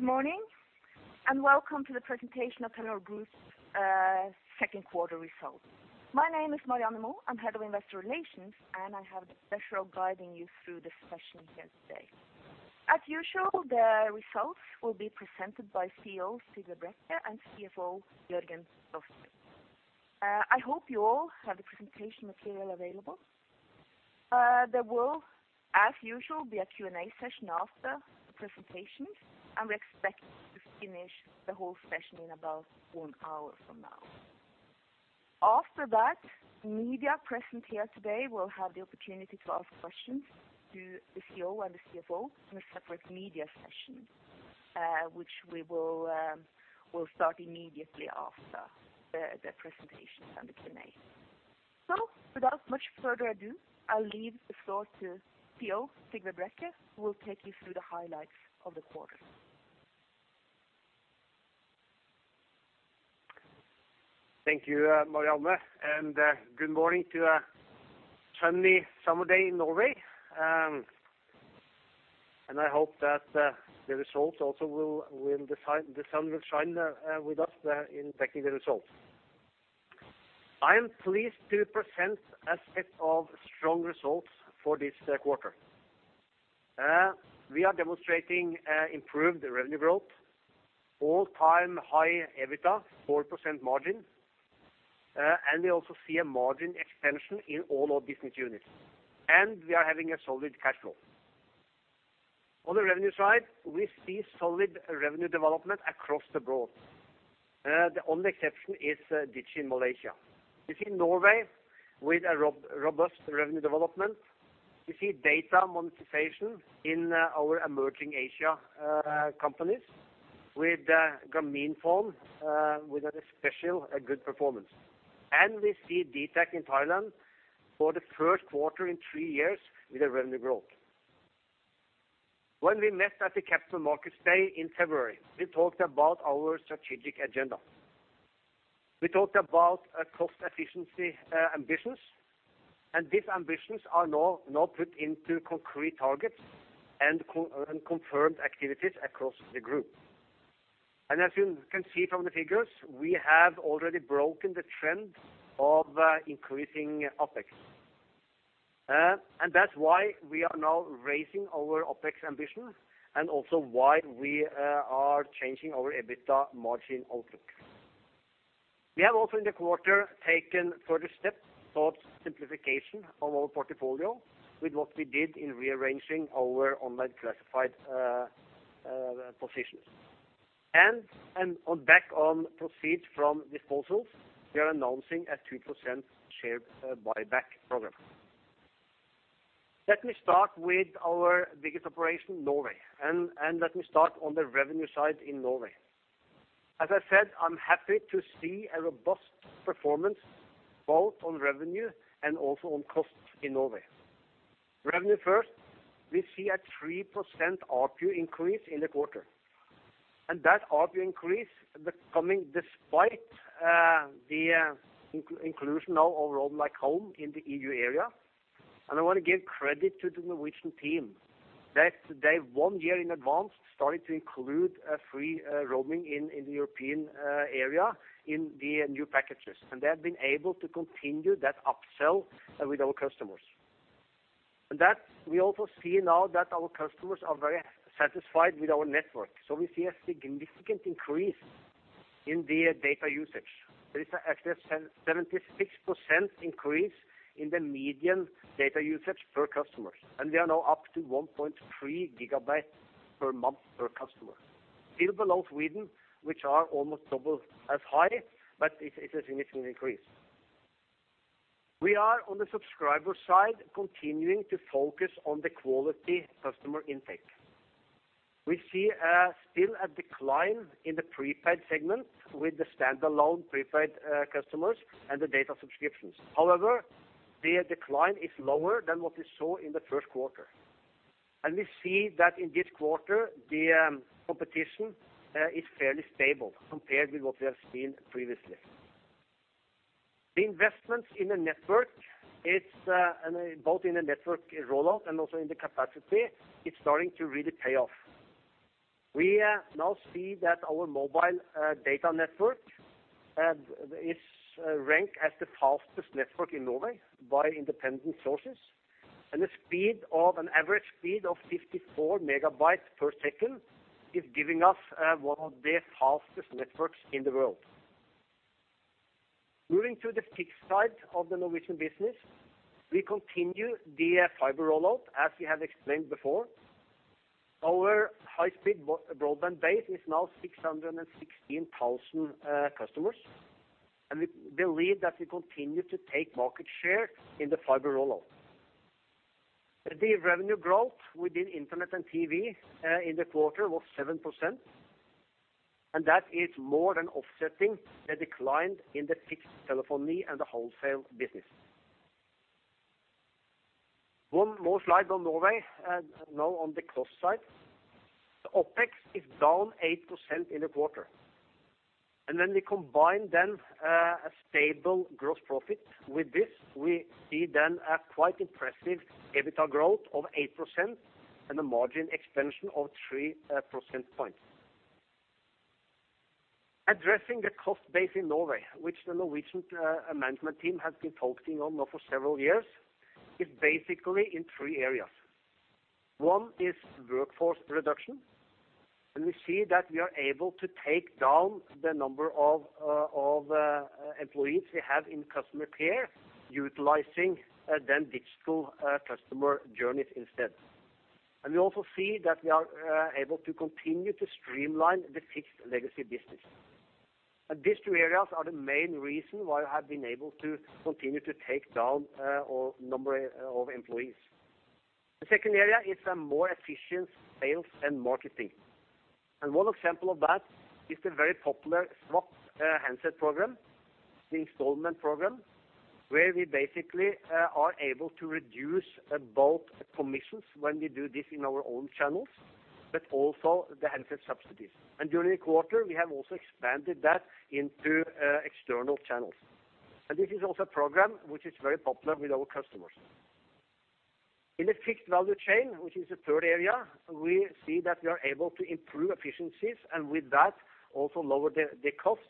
Good morning, and welcome to the presentation of Telenor Group's Second Quarter Results. My name is Marianne Moe. I'm head of Investor Relations, and I have the pleasure of guiding you through this session here today. As usual, the results will be presented by CEO Sigve Brekke and CFO Jørgen Rostrup. I hope you all have the presentation material available. There will, as usual, be a Q&A session after the presentations, and we expect to finish the whole session in about one hour from now. After that, the media present here today will have the opportunity to ask questions to the CEO and the CFO in a separate media session, which we will start immediately after the presentations and the Q&A. Without much further ado, I'll leave the floor to CEO Sigve Brekke, who will take you through the highlights of the quarter. Thank you, Marianne, and good morning to a sunny summer day in Norway. And I hope that the results also will decide the sun will shine with us in taking the results. I am pleased to present a set of strong results for this quarter. We are demonstrating improved revenue growth, all-time high EBITDA, 4% margin, and we also see a margin expansion in all our business units, and we are having a solid cash flow. On the revenue side, we see solid revenue development across the board. The only exception is Digi in Malaysia. We see Norway with a robust revenue development. We see data monetization in our emerging Asia companies with Grameenphone with a special good performance. We see dtac in Thailand for the first quarter in three years with a revenue growth. When we met at the Capital Markets Day in February, we talked about our strategic agenda. We talked about a cost efficiency ambitions, and these ambitions are now, now put into concrete targets and co- and confirmed activities across the group. And as you can see from the figures, we have already broken the trend of increasing OpEx. And that's why we are now raising our OpEx ambition and also why we are changing our EBITDA margin outlook. We have also, in the quarter, taken further steps towards simplification of our portfolio with what we did in rearranging our online classified positions. And, and on back on proceeds from disposals, we are announcing a 2% share buyback program. Let me start with our biggest operation, Norway, and let me start on the revenue side in Norway. As I said, I'm happy to see a robust performance, both on revenue and also on costs in Norway. Revenue first, we see a 3% ARPU increase in the quarter, and that ARPU increase becoming despite the inclusion now of Roam Like Home in the EU area. And I want to give credit to the Norwegian team, that they, one year in advance, started to include a free roaming in the European area in the new packages. And they have been able to continue that upsell with our customers and that we also see now that our customers are very satisfied with our network, so we see a significant increase in the data usage. There is actually a 776% increase in the median data usage per customers, and we are now up to 1.3 GB per month per customer. Still below Sweden, which are almost double as high, but it's a significant increase. We are, on the subscriber side, continuing to focus on the quality customer intake. We see still a decline in the prepaid segment with the standalone prepaid customers and the data subscriptions. However, the decline is lower than what we saw in the first quarter. And we see that in this quarter, the competition is fairly stable compared with what we have seen previously. The investments in the network, it's, and both in the network rollout and also in the capacity, it's starting to really pay off. We now see that our mobile data network is ranked as the fastest network in Norway by independent sources. The speed of an average speed of 54 megabits per second is giving us one of the fastest networks in the world. Moving to the fixed side of the Norwegian business, we continue the fiber rollout, as we have explained before. Our high-speed broadband base is now 616,000 customers, and we believe that we continue to take market share in the fiber rollout. The revenue growth within internet and TV in the quarter was 7%, and that is more than offsetting the decline in the fixed telephony and the wholesale business. One more slide on Norway, and now on the cost side. The OpEx is down 8% in the quarter. And then we combine then a stable gross profit. With this, we see then a quite impressive EBITDA growth of 8% and a margin expansion of 3 percentage points. Addressing the cost base in Norway, which the Norwegian management team has been focusing on now for several years, is basically in three areas. One is workforce reduction, and we see that we are able to take down the number of employees we have in customer care, utilizing then digital customer journeys instead. And we also see that we are able to continue to streamline the fixed legacy business. These two areas are the main reason why we have been able to continue to take down our number of employees. The second area is a more efficient sales and marketing. One example of that is the very popular swap handset program, the installment program, where we basically are able to reduce both commissions when we do this in our own channels, but also the handset subsidies. During the quarter, we have also expanded that into external channels. This is also a program which is very popular with our customers. In the fixed value chain, which is the third area, we see that we are able to improve efficiencies, and with that, also lower the cost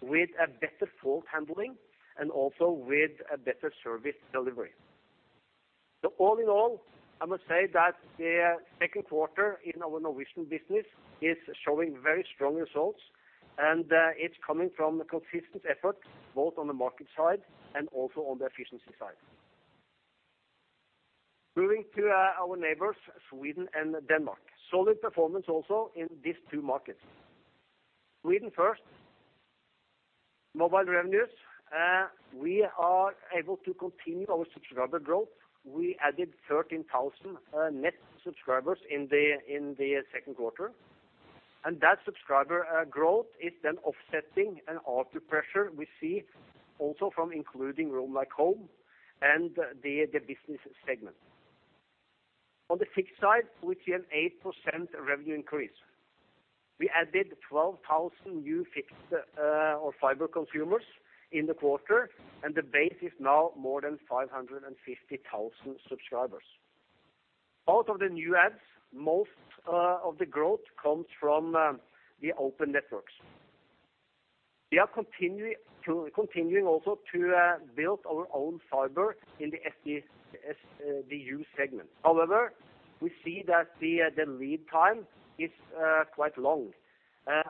with a better fault handling and also with a better service delivery. All in all, I must say that the second quarter in our Norwegian business is showing very strong results, and it's coming from the consistent effort, both on the market side and also on the efficiency side. Moving to our neighbors, Sweden and Denmark. Solid performance also in these two markets. Sweden first. Mobile revenues, we are able to continue our subscriber growth. We added 13,000 net subscribers in the second quarter, and that subscriber growth is then offsetting an ARPU pressure we see also from including Roam Like Home and the business segment. On the fixed side, we see an 8% revenue increase. We added 12,000 new fixed or fiber consumers in the quarter, and the base is now more than 550,000 subscribers. Out of the new adds, most of the growth comes from the open networks. We are continuing also to build our own fiber in the SDU segment. However, we see that the lead time is quite long,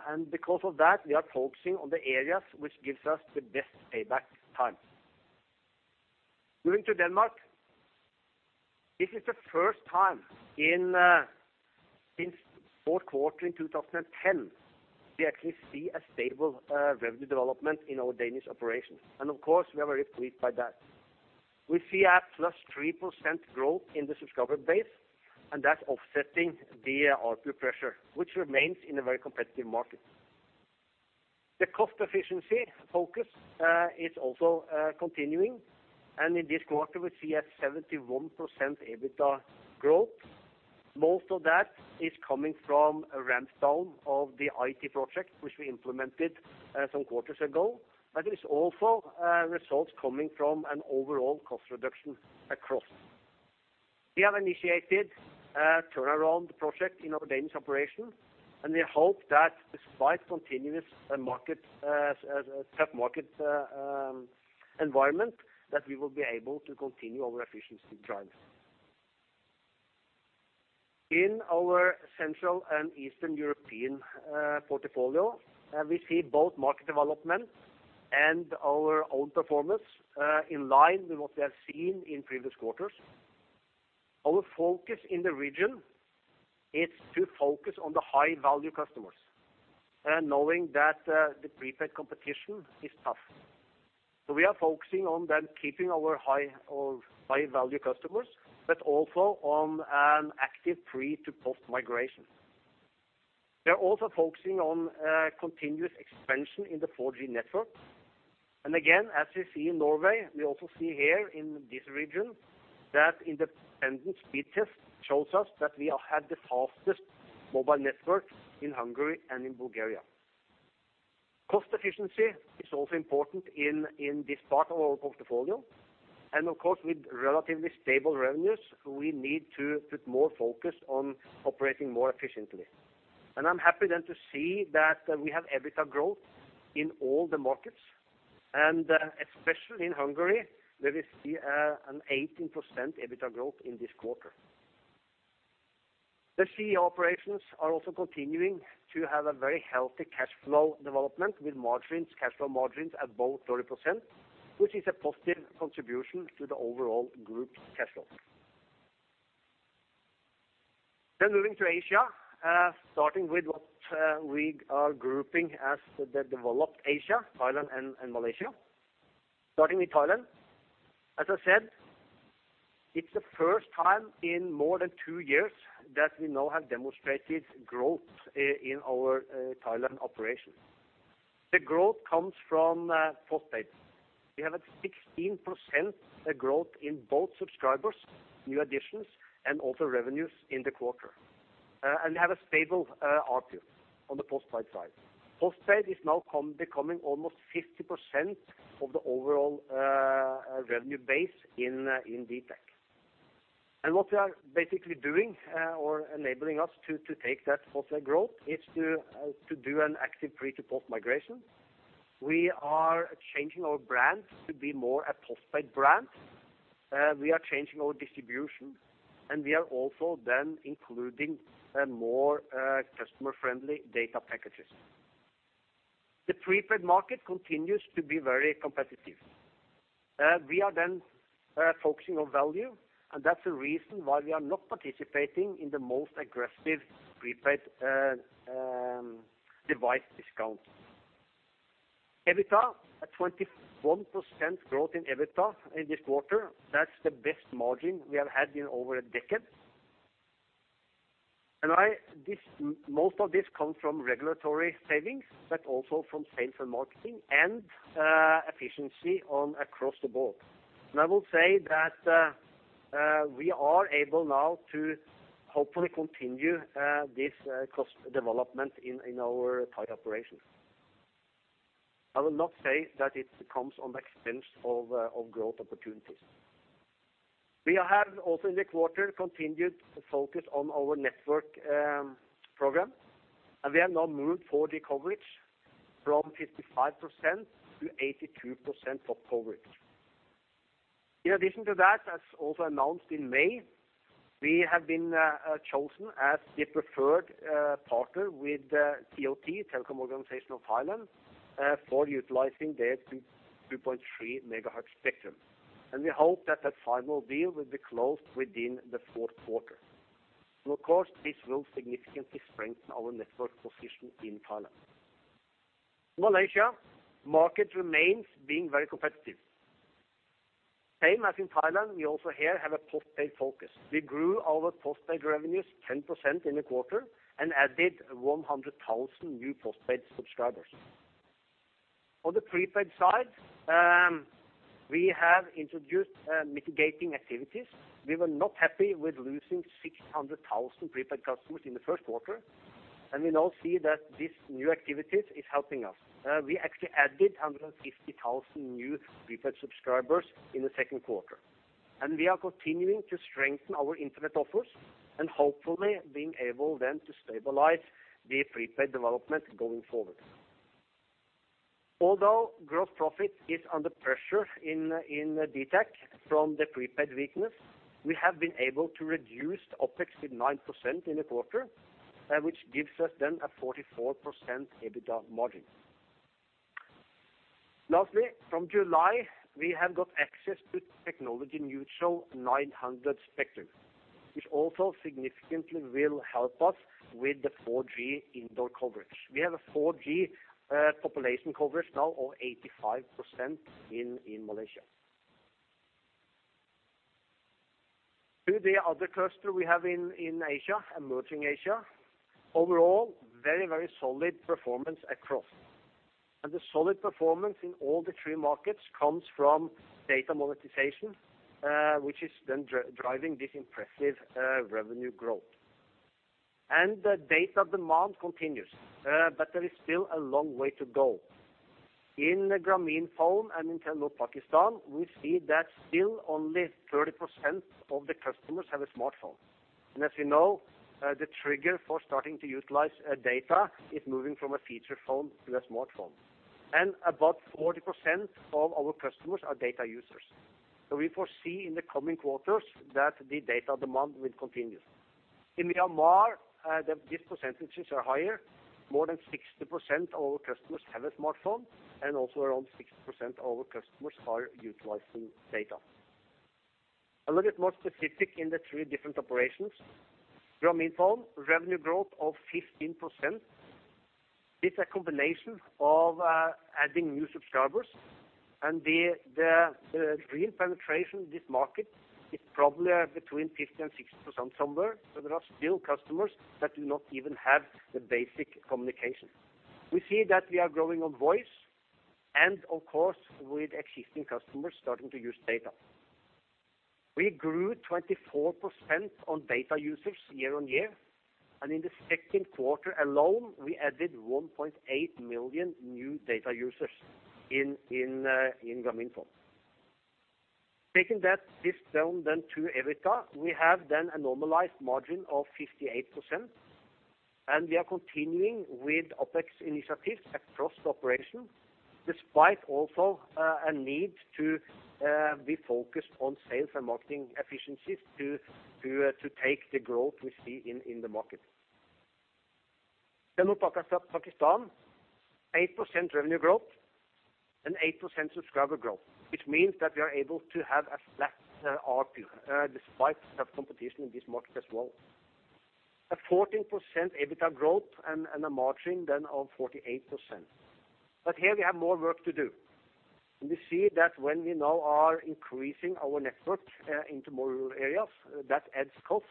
and because of that, we are focusing on the areas which gives us the best payback time. Moving to Denmark, this is the first time since fourth quarter in 2010, we actually see a stable revenue development in our Danish operations, and of course, we are very pleased by that. We see a +3% growth in the subscriber base, and that's offsetting the ARPU pressure, which remains in a very competitive market. The cost efficiency focus is also continuing, and in this quarter, we see a 71% EBITDA growth. Most of that is coming from a ramp down of the IT project, which we implemented some quarters ago, but it's also results coming from an overall cost reduction across. We have initiated a turnaround project in our Danish operation, and we hope that despite continuous market, tough market environment, that we will be able to continue our efficiency drives. In our Central and Eastern European portfolio, we see both market development and our own performance in line with what we have seen in previous quarters. Our focus in the region is to focus on the high-value customers and knowing that, the prepaid competition is tough. So we are focusing on then keeping our high or high-value customers, but also on an active pre to post migration. We are also focusing on, continuous expansion in the 4G network, and again, as we see in Norway, we also see here in this region that independent speed test shows us that we have the fastest mobile network in Hungary and in Bulgaria. Cost efficiency is also important in this part of our portfolio, and of course, with relatively stable revenues, we need to put more focus on operating more efficiently. And I'm happy then to see that we have EBITDA growth in all the markets, and especially in Hungary, where we see an 18% EBITDA growth in this quarter. The CE operations are also continuing to have a very healthy cash flow development with margins, cash flow margins at about 30%, which is a positive contribution to the overall group cash flow. Then moving to Asia, starting with what we are grouping as the developed Asia, Thailand and Malaysia. Starting with Thailand, as I said, it's the first time in more than two years that we now have demonstrated growth in our Thailand operation. The growth comes from postpaid. We have a 16% growth in both subscribers, new additions, and also revenues in the quarter, and have a stable ARPU on the postpaid side. Postpaid is now becoming almost 50% of the overall revenue base in dtac and what we are basically doing, or enabling us to take that postpaid growth is to do an active pre to post migration. We are changing our brands to be more a postpaid brand. We are changing our distribution, and we are also then including more customer-friendly data packages. The prepaid market continues to be very competitive. We are then focusing on value, and that's the reason why we are not participating in the most aggressive prepaid device discount. EBITDA, a 21% growth in EBITDA in this quarter, that's the best margin we have had in over a decade. And this, most of this comes from regulatory savings, but also from sales and marketing, and, efficiency on across the board. And I will say that, we are able now to hopefully continue, this cost development in, in our Thai operations. I will not say that it comes on the expense of, of growth opportunities. We have also, in the quarter, continued to focus on our network program, and we have now moved 4G coverage from 55% to 82% of coverage. In addition to that, as also announced in May, we have been chosen as the preferred partner with TOT, Telecom Organization of Thailand, for utilizing their 2.3 GHz spectrum. We hope that the final deal will be closed within the fourth quarter. And of course, this will significantly strengthen our network position in Thailand. Malaysia, market remains being very competitive. Same as in Thailand, we also here have a postpaid focus. We grew our postpaid revenues 10% in the quarter and added 100,000 new postpaid subscribers. On the prepaid side, we have introduced mitigating activities. We were not happy with losing 600,000 prepaid customers in the first quarter, and we now see that these new activities is helping us. We actually added 150,000 new prepaid subscribers in the second quarter. And we are continuing to strengthen our internet offers and hopefully being able then to stabilize the prepaid development going forward. Although gross profit is under pressure in dtac from the prepaid weakness, we have been able to reduce the OpEx with 9% in the quarter, which gives us then a 44% EBITDA margin. Lastly, from July, we have got access to technology neutral 900 spectrum, which also significantly will help us with the 4G indoor coverage. We have a 4G population coverage now of 85% in Malaysia. To the other cluster we have in Asia, Emerging Asia. Overall, very, very solid performance across. And the solid performance in all the three markets comes from data monetization, which is then driving this impressive revenue growth. And the data demand continues, but there is still a long way to go. In Grameenphone and Telenor Pakistan, we see that still only 30% of the customers have a smartphone. As you know, the trigger for starting to utilize data is moving from a feature phone to a smartphone. About 40% of our customers are data users. So we foresee in the coming quarters that the data demand will continue. In Myanmar, these percentages are higher. More than 60% of our customers have a smartphone, and also around 60% of our customers are utilizing data. A look at more specific in the three different operations. Grameenphone, revenue growth of 15%. It's a combination of adding new subscribers and the real penetration in this market is probably between 50% and 60% somewhere, so there are still customers that do not even have the basic communication. We see that we are growing on voice and, of course, with existing customers starting to use data. We grew 24% on data users year-on-year, and in the second quarter alone, we added 1.8 million new data users in Grameenphone. Taking that, this down then to EBITDA, we have then a normalized margin of 58%, and we are continuing with OpEx initiatives across the operation, despite also a need to be focused on sales and marketing efficiencies to take the growth we see in the market. Telenor Pakistan, 8% revenue growth and 8% subscriber growth, which means that we are able to have a flat ARPU despite tough competition in this market as well. A 14% EBITDA growth and a margin then of 48%. But here we have more work to do, and we see that when we now are increasing our network into more rural areas, that adds cost,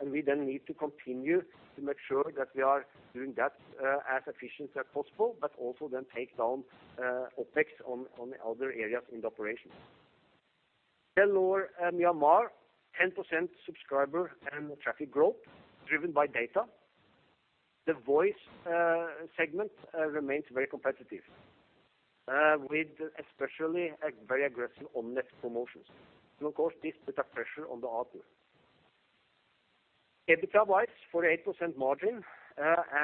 and we then need to continue to make sure that we are doing that as efficient as possible, but also then take down OpEx on the other areas in the operation. Telenor in Myanmar, 10% subscriber and traffic growth driven by data. The voice segment remains very competitive with especially a very aggressive on-net promotions. And of course, this put a pressure on the ARPU. EBITDA-wise, 48% margin,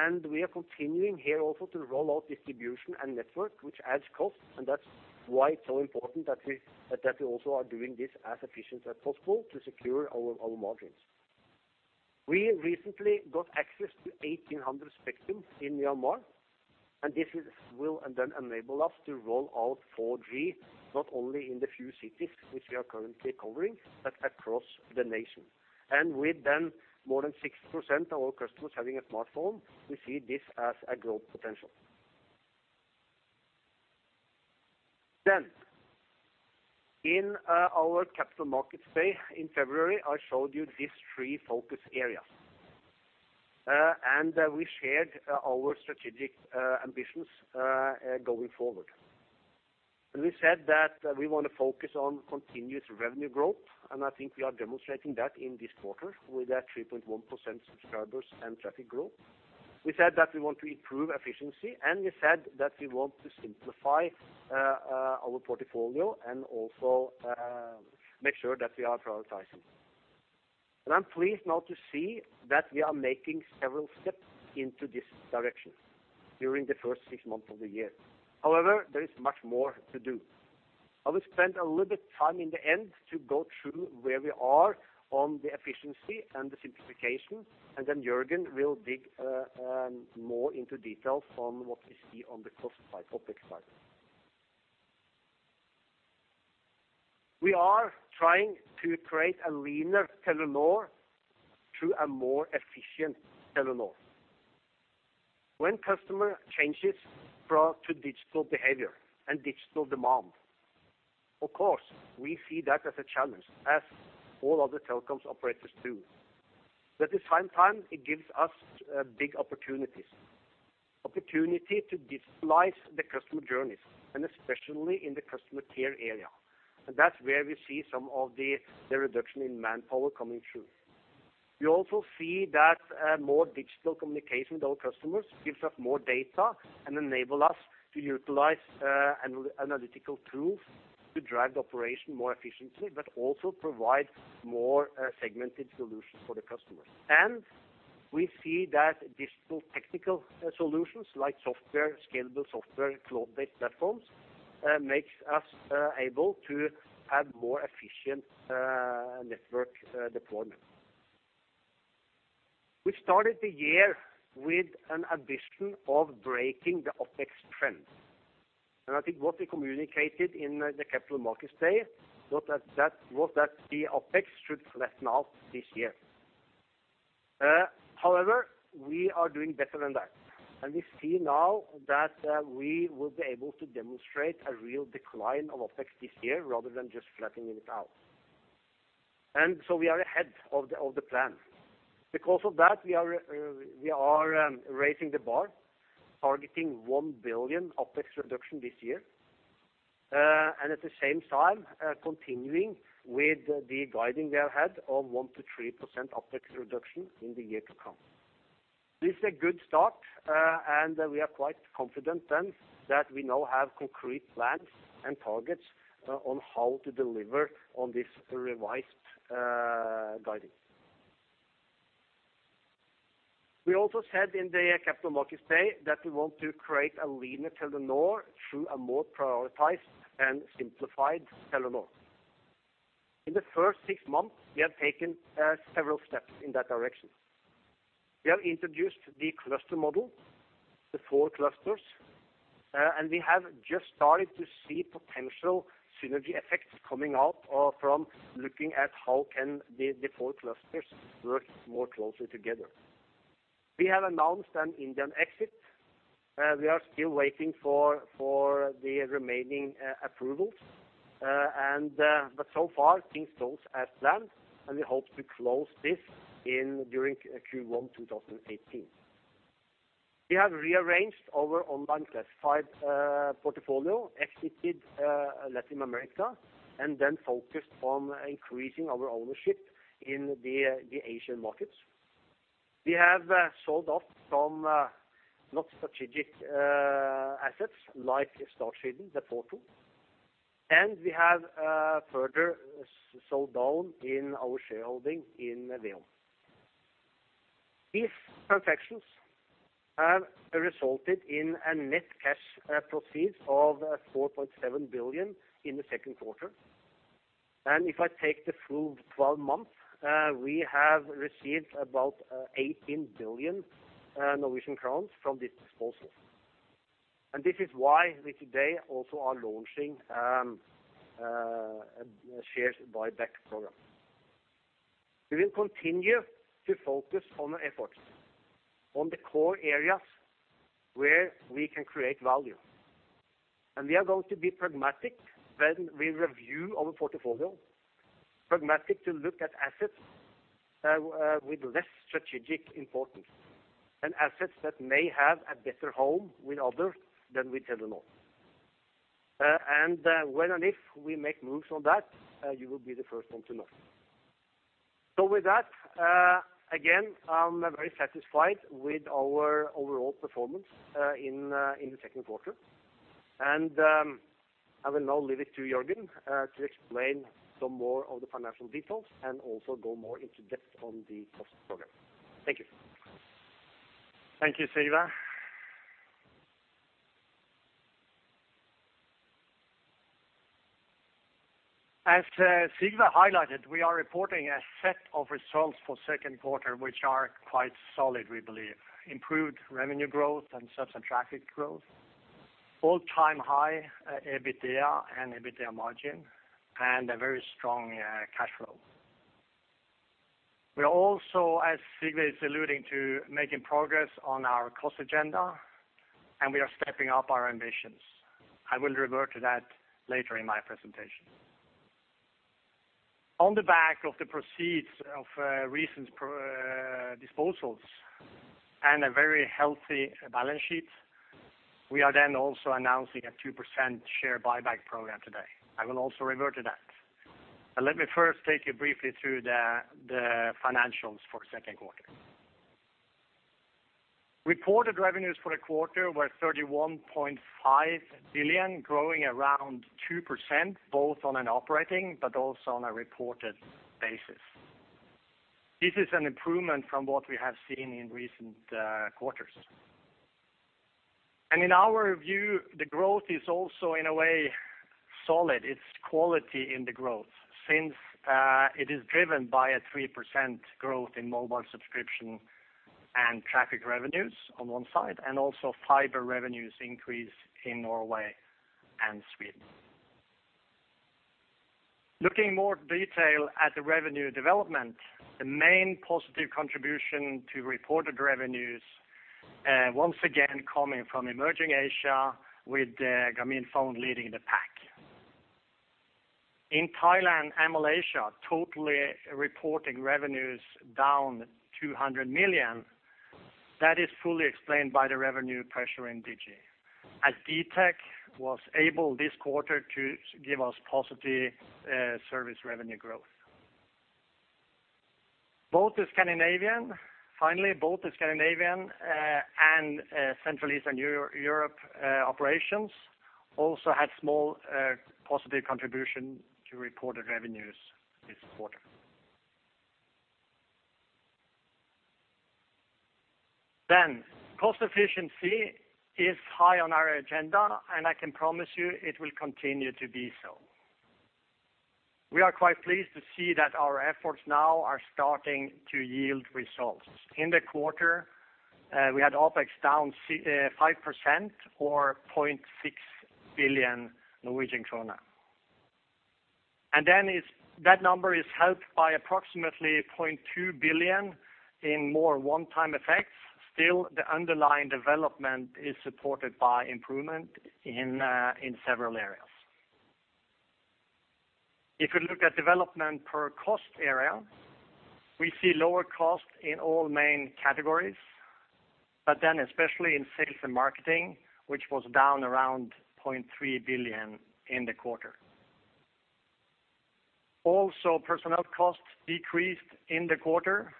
and we are continuing here also to roll out distribution and network, which adds cost, and that's why it's so important that we that we also are doing this as efficient as possible to secure our margins. We recently got access to 1800 spectrum in Myanmar, and this will then enable us to roll out 4G, not only in the few cities which we are currently covering, but across the nation. And with then more than 60% of our customers having a smartphone, we see this as a growth potential. Then, in our Capital Markets Day in February, I showed you these three focus areas, and we shared our strategic ambitions going forward. And we said that we want to focus on continuous revenue growth, and I think we are demonstrating that in this quarter with that 3.1% subscribers and traffic growth. We said that we want to improve efficiency, and we said that we want to simplify our portfolio and also make sure that we are prioritizing. I'm pleased now to see that we are making several steps into this direction during the first six months of the year. However, there is much more to do. I will spend a little bit time in the end to go through where we are on the efficiency and the simplification, and then Jørgen will dig more into detail on what we see on the cost side, OpEx side. We are trying to create a leaner Telenor through a more efficient Telenor. When customer changes from to digital behavior and digital demand, of course, we see that as a challenge, as all other telecoms operators do. But at the same time, it gives us big opportunities. Opportunity to discipline the customer journeys, and especially in the customer care area. That's where we see some of the reduction in manpower coming through. We also see that more digital communication with our customers gives us more data and enable us to utilize analytical tools to drive the operation more efficiently, but also provide more segmented solutions for the customers. We see that digital technical solutions, like software, scalable software, cloud-based platforms, makes us able to have more efficient network deployment. We started the year with an addition of breaking the OpEx trend. I think what we communicated in the Capital Markets Day was that the OpEx should flatten out this year. However, we are doing better than that, and we see now that we will be able to demonstrate a real decline of OpEx this year, rather than just flattening it out. So we are ahead of the plan. Because of that, we are raising the bar, targeting 1 billion OpEx reduction this year, and at the same time, continuing with the guiding we have had of 1%-3% OpEx reduction in the year to come. This is a good start, and we are quite confident then, that we now have concrete plans and targets, on how to deliver on this revised guiding. We also said in the Capital Markets Day that we want to create a leaner Telenor through a more prioritized and simplified Telenor. In the first six months, we have taken several steps in that direction. We have introduced the cluster model, the four clusters, and we have just started to see potential synergy effects coming out, from looking at how can the four clusters work more closely together. We have announced an Indian exit. We are still waiting for the remaining approvals. But so far, things goes as planned, and we hope to close this in during Q1 2018. We have rearranged our online classified portfolio, exited Latin America, and then focused on increasing our ownership in the Asian markets. We have sold off some not strategic assets, like Startsiden, the portal, and we have further sold down in our shareholding in VEON. These transactions have resulted in a net cash proceeds of 4.7 billion in the second quarter. And if I take the full 12 months, we have received about eighteen billion Norwegian crowns from this disposal. And this is why we today also are launching a shares buyback program. We will continue to focus on the efforts, on the core areas where we can create value, and we are going to be pragmatic when we review our portfolio, pragmatic to look at assets with less strategic importance and assets that may have a better home with others than with Telenor. And when and if we make moves on that, you will be the first one to know. So with that, again, I'm very satisfied with our overall performance in the second quarter. And, I will now leave it to Jørgen to explain some more of the financial details and also go more into depth on the cost program. Thank you. Thank you, Sigve. As Sigve highlighted, we are reporting a set of results for second quarter, which are quite solid, we believe. Improved revenue growth and such a traffic growth, all-time high EBITDA and EBITDA margin, and a very strong cash flow. We are also, as Sigve is alluding to, making progress on our cost agenda, and we are stepping up our ambitions. I will revert to that later in my presentation. On the back of the proceeds of recent disposals and a very healthy balance sheet, we are then also announcing a 2% share buyback program today. I will also revert to that. But let me first take you briefly through the financials for second quarter. Reported revenues for the quarter were 31.5 billion, growing around 2%, both on an operating, but also on a reported basis. This is an improvement from what we have seen in recent quarters. In our view, the growth is also, in a way, solid. It's quality in the growth, since it is driven by a 3% growth in mobile subscription and traffic revenues on one side, and also fiber revenues increase in Norway and Sweden. Looking in more detail at the revenue development, the main positive contribution to reported revenues, once again, coming from emerging Asia, with Grameenphone leading the pack. In Thailand and Malaysia, total reporting revenues down 200 million, that is fully explained by the revenue pressure in Digi. As dtac was able this quarter to give us positive service revenue growth. Finally, both the Scandinavian and Central and Eastern Europe operations also had small positive contribution to reported revenues this quarter. Then, cost efficiency is high on our agenda, and I can promise you it will continue to be so. We are quite pleased to see that our efforts now are starting to yield results. In the quarter, we had OpEx down 5% or 0.6 billion Norwegian krone. And then is, that number is helped by approximately 0.2 billion in more one-time effects. Still, the underlying development is supported by improvement in several areas. If you look at development per cost area, we see lower cost in all main categories, but then especially in sales and marketing, which was down around 0.3 billion in the quarter. Also, personnel costs decreased in the quarter,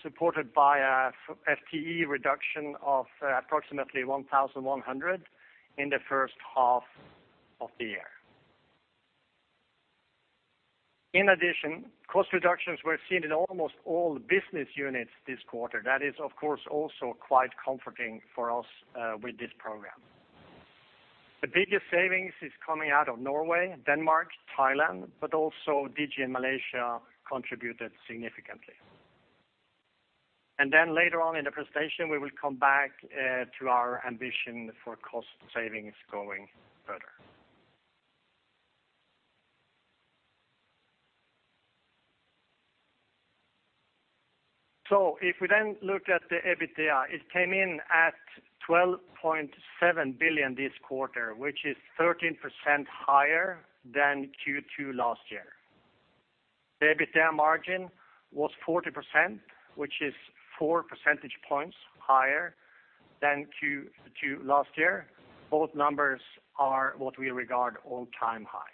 supported by a FTE reduction of approximately 1,100 in the first half of the year. In addition, cost reductions were seen in almost all business units this quarter. That is, of course, also quite comforting for us with this program. The biggest savings is coming out of Norway, Denmark, Thailand, but also Digi in Malaysia contributed significantly. And then later on in the presentation, we will come back to our ambition for cost savings going further. So if we then look at the EBITDA, it came in at 12.7 billion this quarter, which is 13% higher than Q2 last year. The EBITDA margin was 40%, which is four percentage points higher than Q2 last year. Both numbers are what we regard all-time high.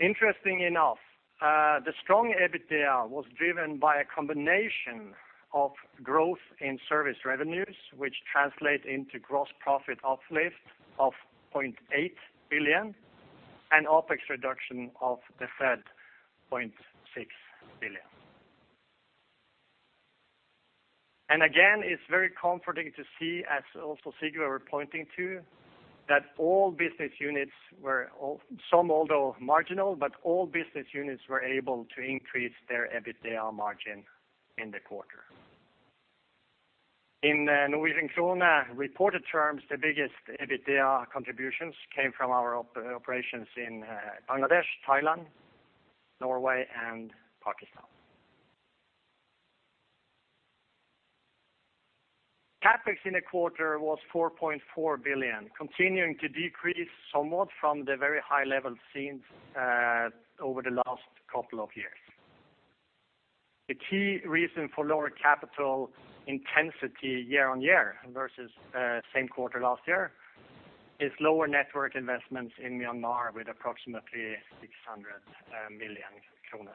Interesting enough, the strong EBITDA was driven by a combination of growth in service revenues, which translate into gross profit uplift of 0.8 billion and OpEx reduction of the said 0.6 billion. And again, it's very comforting to see, as also Sigve were pointing to, that all business units, some although marginal, but all business units were able to increase their EBITDA margin in the quarter. In Norwegian kroner reported terms, the biggest EBITDA contributions came from our operations in Bangladesh, Thailand, Norway, and Pakistan. CapEx in the quarter was 4.4 billion, continuing to decrease somewhat from the very high level seen over the last couple of years. The key reason for lower capital intensity year-on-year versus same quarter last year is lower network investments in Myanmar, with approximately 600 million kroner.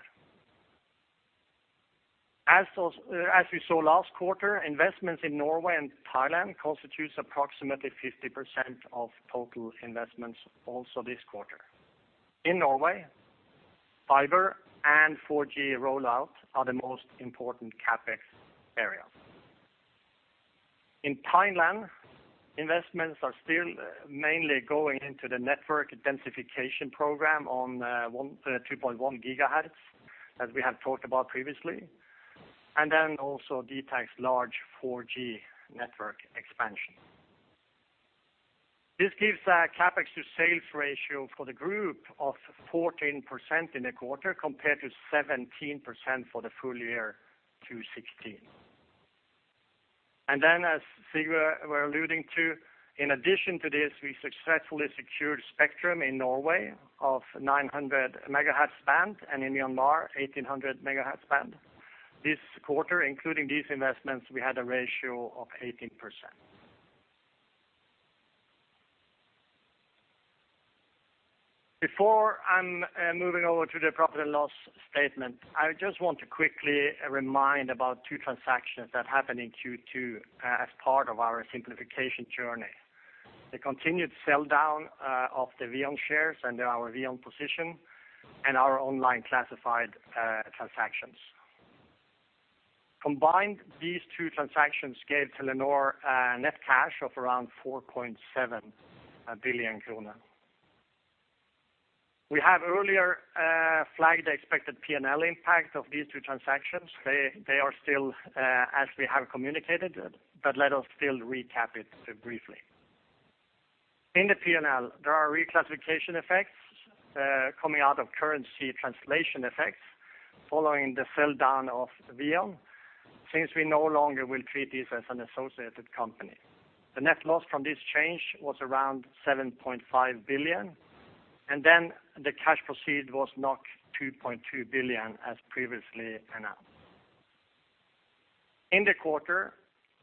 As those, as we saw last quarter, investments in Norway and Thailand constitutes approximately 50% of total investments also this quarter. In Norway, fiber and 4G rollout are the most important CapEx area. In Thailand, investments are still mainly going into the network densification program on 2.1 GHz, as we have talked about previously, and then also dtac's large 4G network expansion. This gives a CapEx to sales ratio for the group of 14% in the quarter, compared to 17% for the full year 2016. And then, as Sigve were alluding to, in addition to this, we successfully secured spectrum in Norway of 900 MHz band, and in Myanmar, 1,800 MHz band. This quarter, including these investments, we had a ratio of 18%. Before I'm moving over to the profit and loss statement, I just want to quickly remind about two transactions that happened in Q2 as part of our simplification journey. The continued sell-down of the VEON shares and our VEON position, and our online classified transactions. Combined, these two transactions gave Telenor a net cash of around 4.7 billion krone. We have earlier flagged the expected P&L impact of these two transactions. They are still as we have communicated, but let us still recap it briefly. In the P&L, there are reclassification effects coming out of currency translation effects following the sell-down of VEON, since we no longer will treat this as an associated company. The net loss from this change was around 7.5 billion, and then the cash proceeds was 2.2 billion, as previously announced. In the quarter,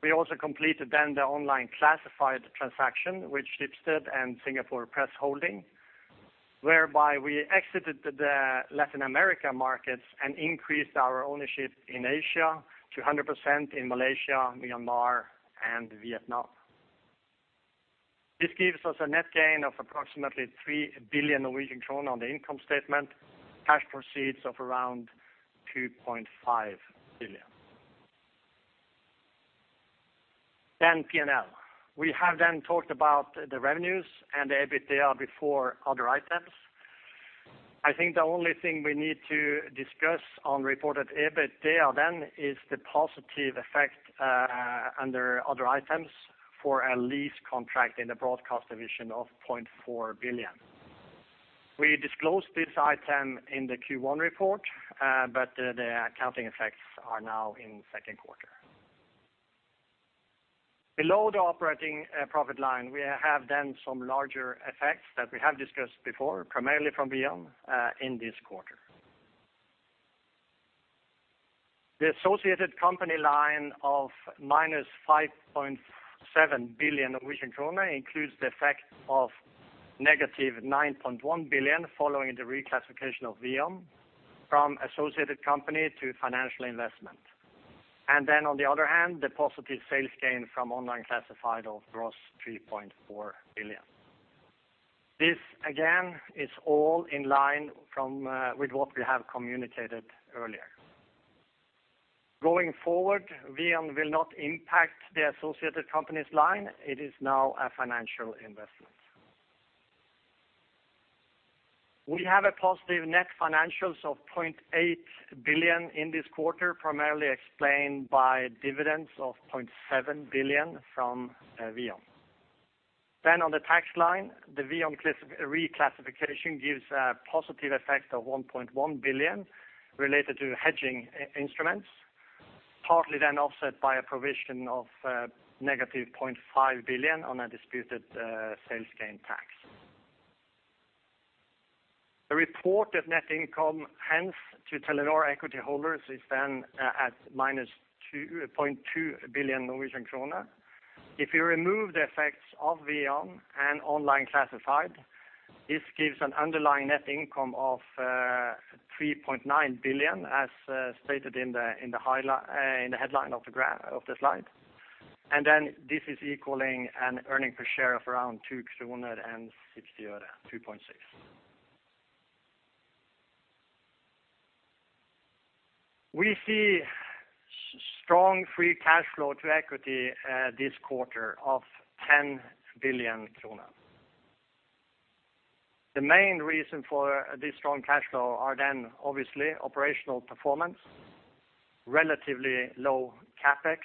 we also completed the online classified transaction, which Schibsted and Singapore Press Holdings, whereby we exited the Latin America markets and increased our ownership in Asia to 100% in Malaysia, Myanmar, and Vietnam. This gives us a net gain of approximately 3 billion Norwegian kroner on the income statement, cash proceeds of around 2.5 billion. P&L. We have talked about the revenues and the EBITDA before other items. I think the only thing we need to discuss on reported EBITDA then, is the positive effect under other items for a lease contract in the broadcast division of 0.4 billion. We disclosed this item in the Q1 report, but the accounting effects are now in second quarter. Below the operating profit line, we have done some larger effects that we have discussed before, primarily from VEON in this quarter. The associated company line of minus 5.7 billion Norwegian krone includes the effect of negative 9.1 billion, following the reclassification of VEON from associated company to financial investment. Then on the other hand, the positive sales gain from online classified of 3.4 billion. This, again, is all in line with what we have communicated earlier. Going forward, VEON will not impact the associated companies line. It is now a financial investment. We have a positive net financials of 0.8 billion in this quarter, primarily explained by dividends of 0.7 billion from VEON. Then on the tax line, the VEON reclassification gives a positive effect of 1.1 billion related to hedging instruments, partly then offset by a provision of negative 0.5 billion on a disputed sales gain tax. The report of net income, hence, to Telenor equity holders, is then at minus 2.2 billion Norwegian kroner. If you remove the effects of VEON and online classified, this gives an underlying net income of 3.9 billion, as stated in the headline of the slide. And then this is equaling an earning per share of around 2.60 kroner. We see strong free cash flow to equity this quarter of 10 billion kroner. The main reason for this strong cash flow are then obviously operational performance, relatively low CapEx,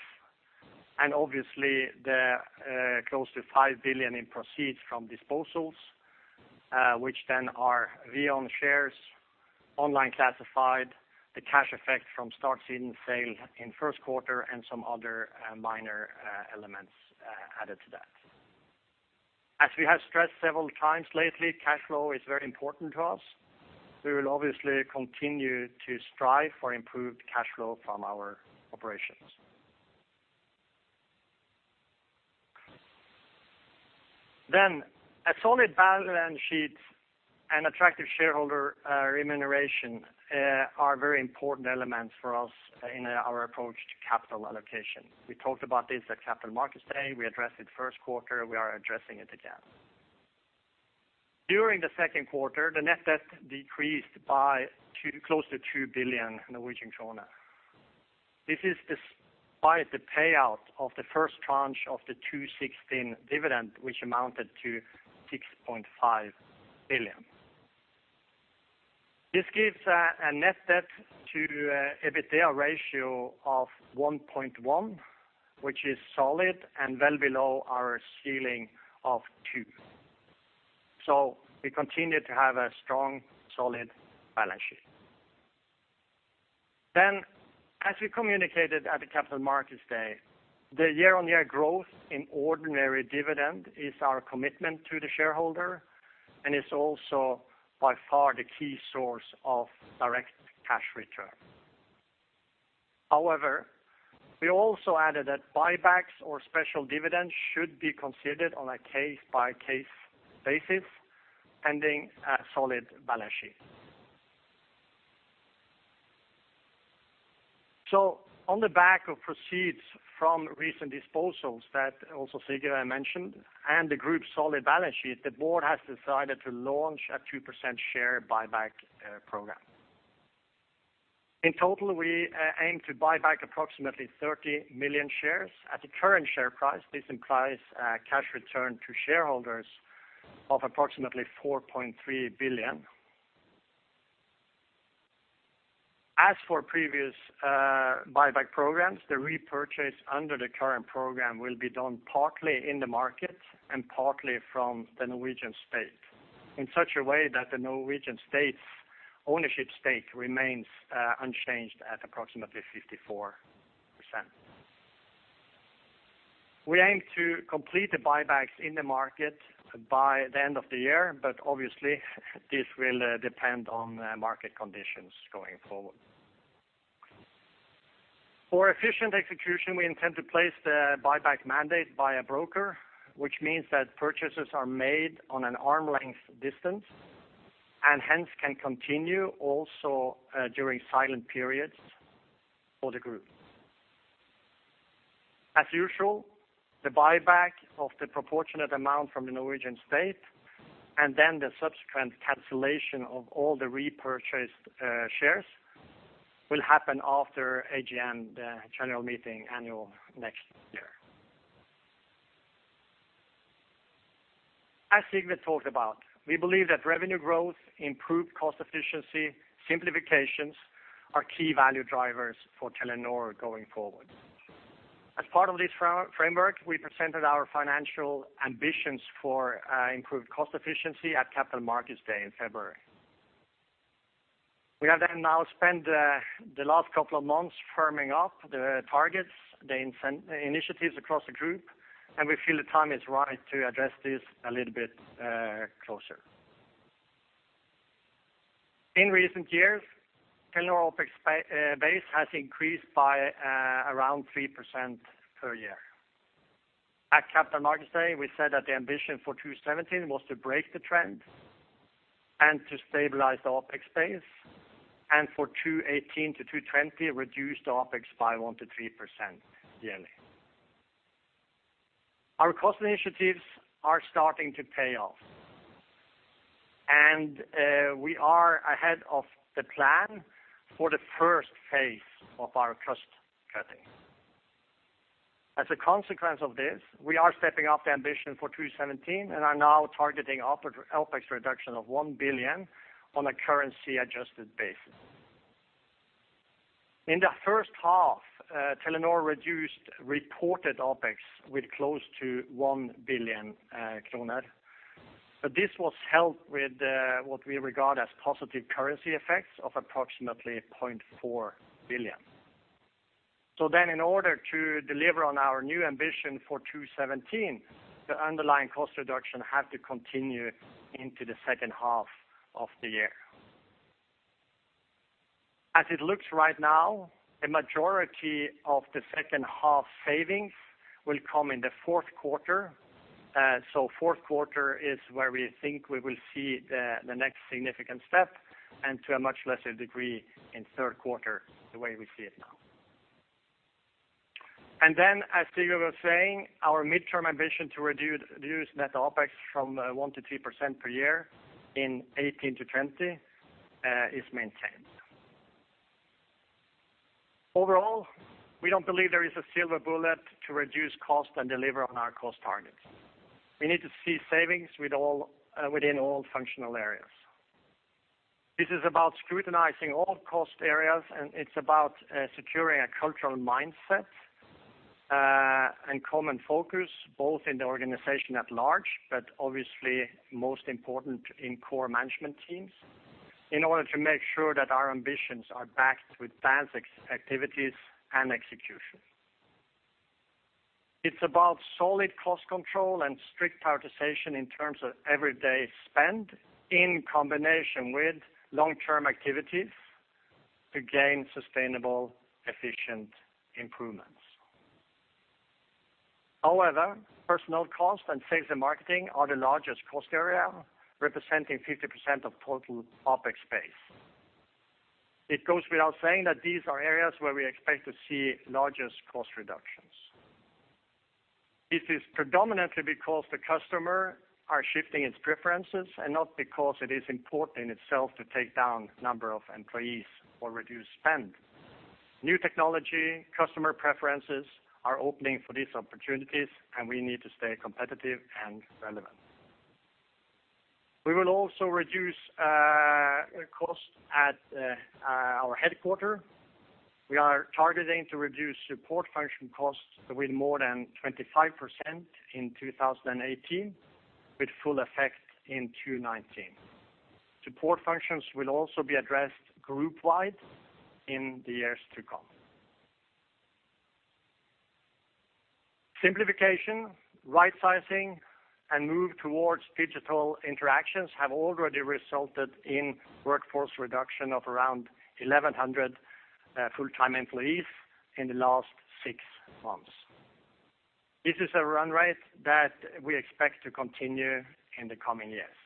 and obviously the close to 5 billion in proceeds from disposals, which then are VEON shares, online classified, the cash effect from start season sale in first quarter, and some other minor elements added to that. As we have stressed several times lately, cash flow is very important to us. We will obviously continue to strive for improved cash flow from our operations. Then, a solid balance sheet and attractive shareholder remuneration are very important elements for us in our approach to capital allocation. We talked about this at Capital Markets Day, we addressed it first quarter, we are addressing it again. During the second quarter, the net debt decreased by close to 2 billion Norwegian krone. This is despite the payout of the first tranche of the 2016 dividend, which amounted to 6.5 billion NOK. This gives a net debt to EBITDA ratio of 1.1, which is solid and well below our ceiling of 2. So we continue to have a strong, solid balance sheet. Then, as we communicated at the Capital Markets Day, the year-on-year growth in ordinary dividend is our commitment to the shareholder, and it's also by far the key source of direct cash return. However, we also added that buybacks or special dividends should be considered on a case-by-case basis, pending a solid balance sheet. So on the back of proceeds from recent disposals that also Sigve mentioned, and the group's solid balance sheet, the board has decided to launch a 2% share buyback program. In total, we aim to buy back approximately 30 million shares. At the current share price, this implies a cash return to shareholders of approximately NOK 4.3 billion. As for previous, buyback programs, the repurchase under the current program will be done partly in the market and partly from the Norwegian state, in such a way that the Norwegian state's ownership stake remains, unchanged at approximately 54%. We aim to complete the buybacks in the market by the end of the year, but obviously, this will, depend on the market conditions going forward. For efficient execution, we intend to place the buyback mandate by a broker, which means that purchases are made on an arm's length distance, and hence can continue also, during silent periods for the group. As usual, the buyback of the proportionate amount from the Norwegian state, and then the subsequent cancellation of all the repurchased, shares, will happen after AGM, the general meeting annual next year. As Sigve talked about, we believe that revenue growth, improved cost efficiency, simplifications, are key value drivers for Telenor going forward. As part of this framework, we presented our financial ambitions for improved cost efficiency at Capital Markets Day in February. We have then now spent the last couple of months firming up the targets, the initiatives across the group, and we feel the time is right to address this a little bit closer. In recent years, Telenor OpEx base has increased by around 3% per year. At Capital Markets Day, we said that the ambition for 2017 was to break the trend and to stabilize the OpEx base, and for 2018 to 2020, reduce the OpEx by 1%-3% yearly. Our cost initiatives are starting to pay off, and we are ahead of the plan for the first phase of our cost cutting. As a consequence of this, we are stepping up the ambition for 2017 and are now targeting OpEx reduction of 1 billion on a currency-adjusted basis. In the first half, Telenor reduced reported OpEx with close to 1 billion kroner, but this was helped with what we regard as positive currency effects of approximately 0.4 billion. So then, in order to deliver on our new ambition for 2017, the underlying cost reduction have to continue into the second half of the year. As it looks right now, the majority of the second half savings will come in the fourth quarter. So fourth quarter is where we think we will see the next significant step, and to a much lesser degree, in third quarter, the way we see it now. And then, as Sigve was saying, our midterm ambition to reduce net OpEx from 1%-3% per year in 2018-2020 is maintained. Overall, we don't believe there is a silver bullet to reduce cost and deliver on our cost targets. We need to see savings with all within all functional areas. This is about scrutinizing all cost areas, and it's about securing a cultural mindset and common focus, both in the organization at large, but obviously most important in core management teams, in order to make sure that our ambitions are backed with advanced activities and execution. It's about solid cost control and strict prioritization in terms of everyday spend, in combination with long-term activities to gain sustainable, efficient improvements. However, personnel cost and sales and marketing are the largest cost area, representing 50% of total OpEx base. It goes without saying that these are areas where we expect to see largest cost reductions. It is predominantly because the customer are shifting its preferences, and not because it is important in itself to take down number of employees or reduce spend. New technology, customer preferences are opening for these opportunities, and we need to stay competitive and relevant. We will also reduce cost at our headquarters. We are targeting to reduce support function costs with more than 25% in 2018, with full effect in 2019. Support functions will also be addressed group-wide in the years to come. Simplification, right sizing, and move towards digital interactions have already resulted in workforce reduction of around 1,100 full-time employees in the last six months. This is a run rate that we expect to continue in the coming years.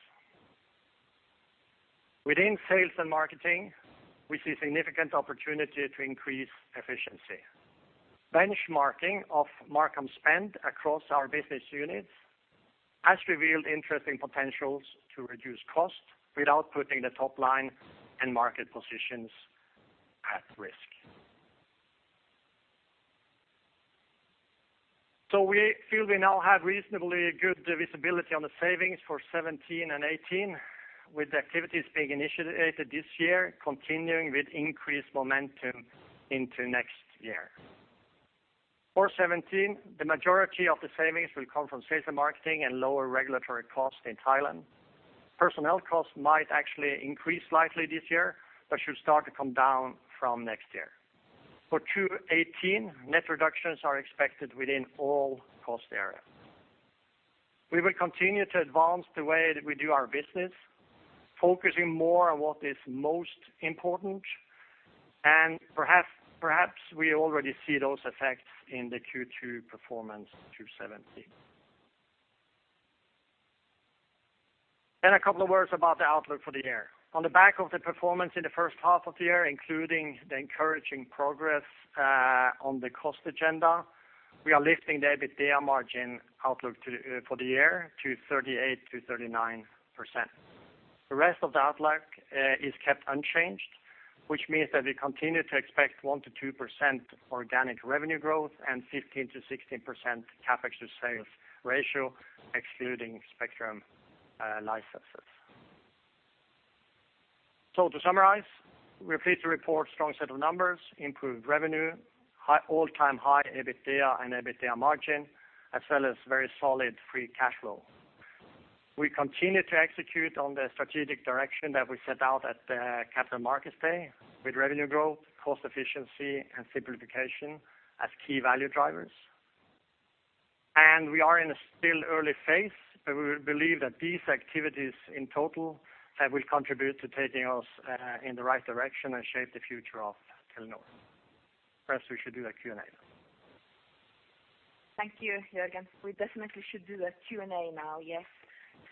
Within sales and marketing, we see significant opportunity to increase efficiency. Benchmarking of marcom spend across our business units has revealed interesting potentials to reduce cost without putting the top line and market positions at risk. We feel we now have reasonably good visibility on the savings for 2017 and 2018, with activities being initiated this year, continuing with increased momentum into next year. For 2017, the majority of the savings will come from sales and marketing and lower regulatory costs in Thailand. Personnel costs might actually increase slightly this year, but should start to come down from next year. For 2018, net reductions are expected within all cost areas. We will continue to advance the way that we do our business, focusing more on what is most important, and perhaps, perhaps we already see those effects in the Q2 performance, 2017. Then a couple of words about the outlook for the year. On the back of the performance in the first half of the year, including the encouraging progress on the cost agenda, we are lifting the EBITDA margin outlook to, for the year to 38%-39%. The rest of the outlook is kept unchanged, which means that we continue to expect 1%-2% organic revenue growth and 15%-16% CapEx to sales ratio, excluding spectrum licenses. To summarize, we're pleased to report strong set of numbers, improved revenue, all-time high EBITDA and EBITDA margin, as well as very solid free cash flow. We continue to execute on the strategic direction that we set out at the Capital Markets Day, with revenue growth, cost efficiency, and simplification as key value drivers. We are in a still early phase, but we believe that these activities in total will contribute to taking us in the right direction and shape the future of Telenor. Perhaps we should do a Q&A. Thank you, Jørgen. We definitely should do a Q&A now, yes.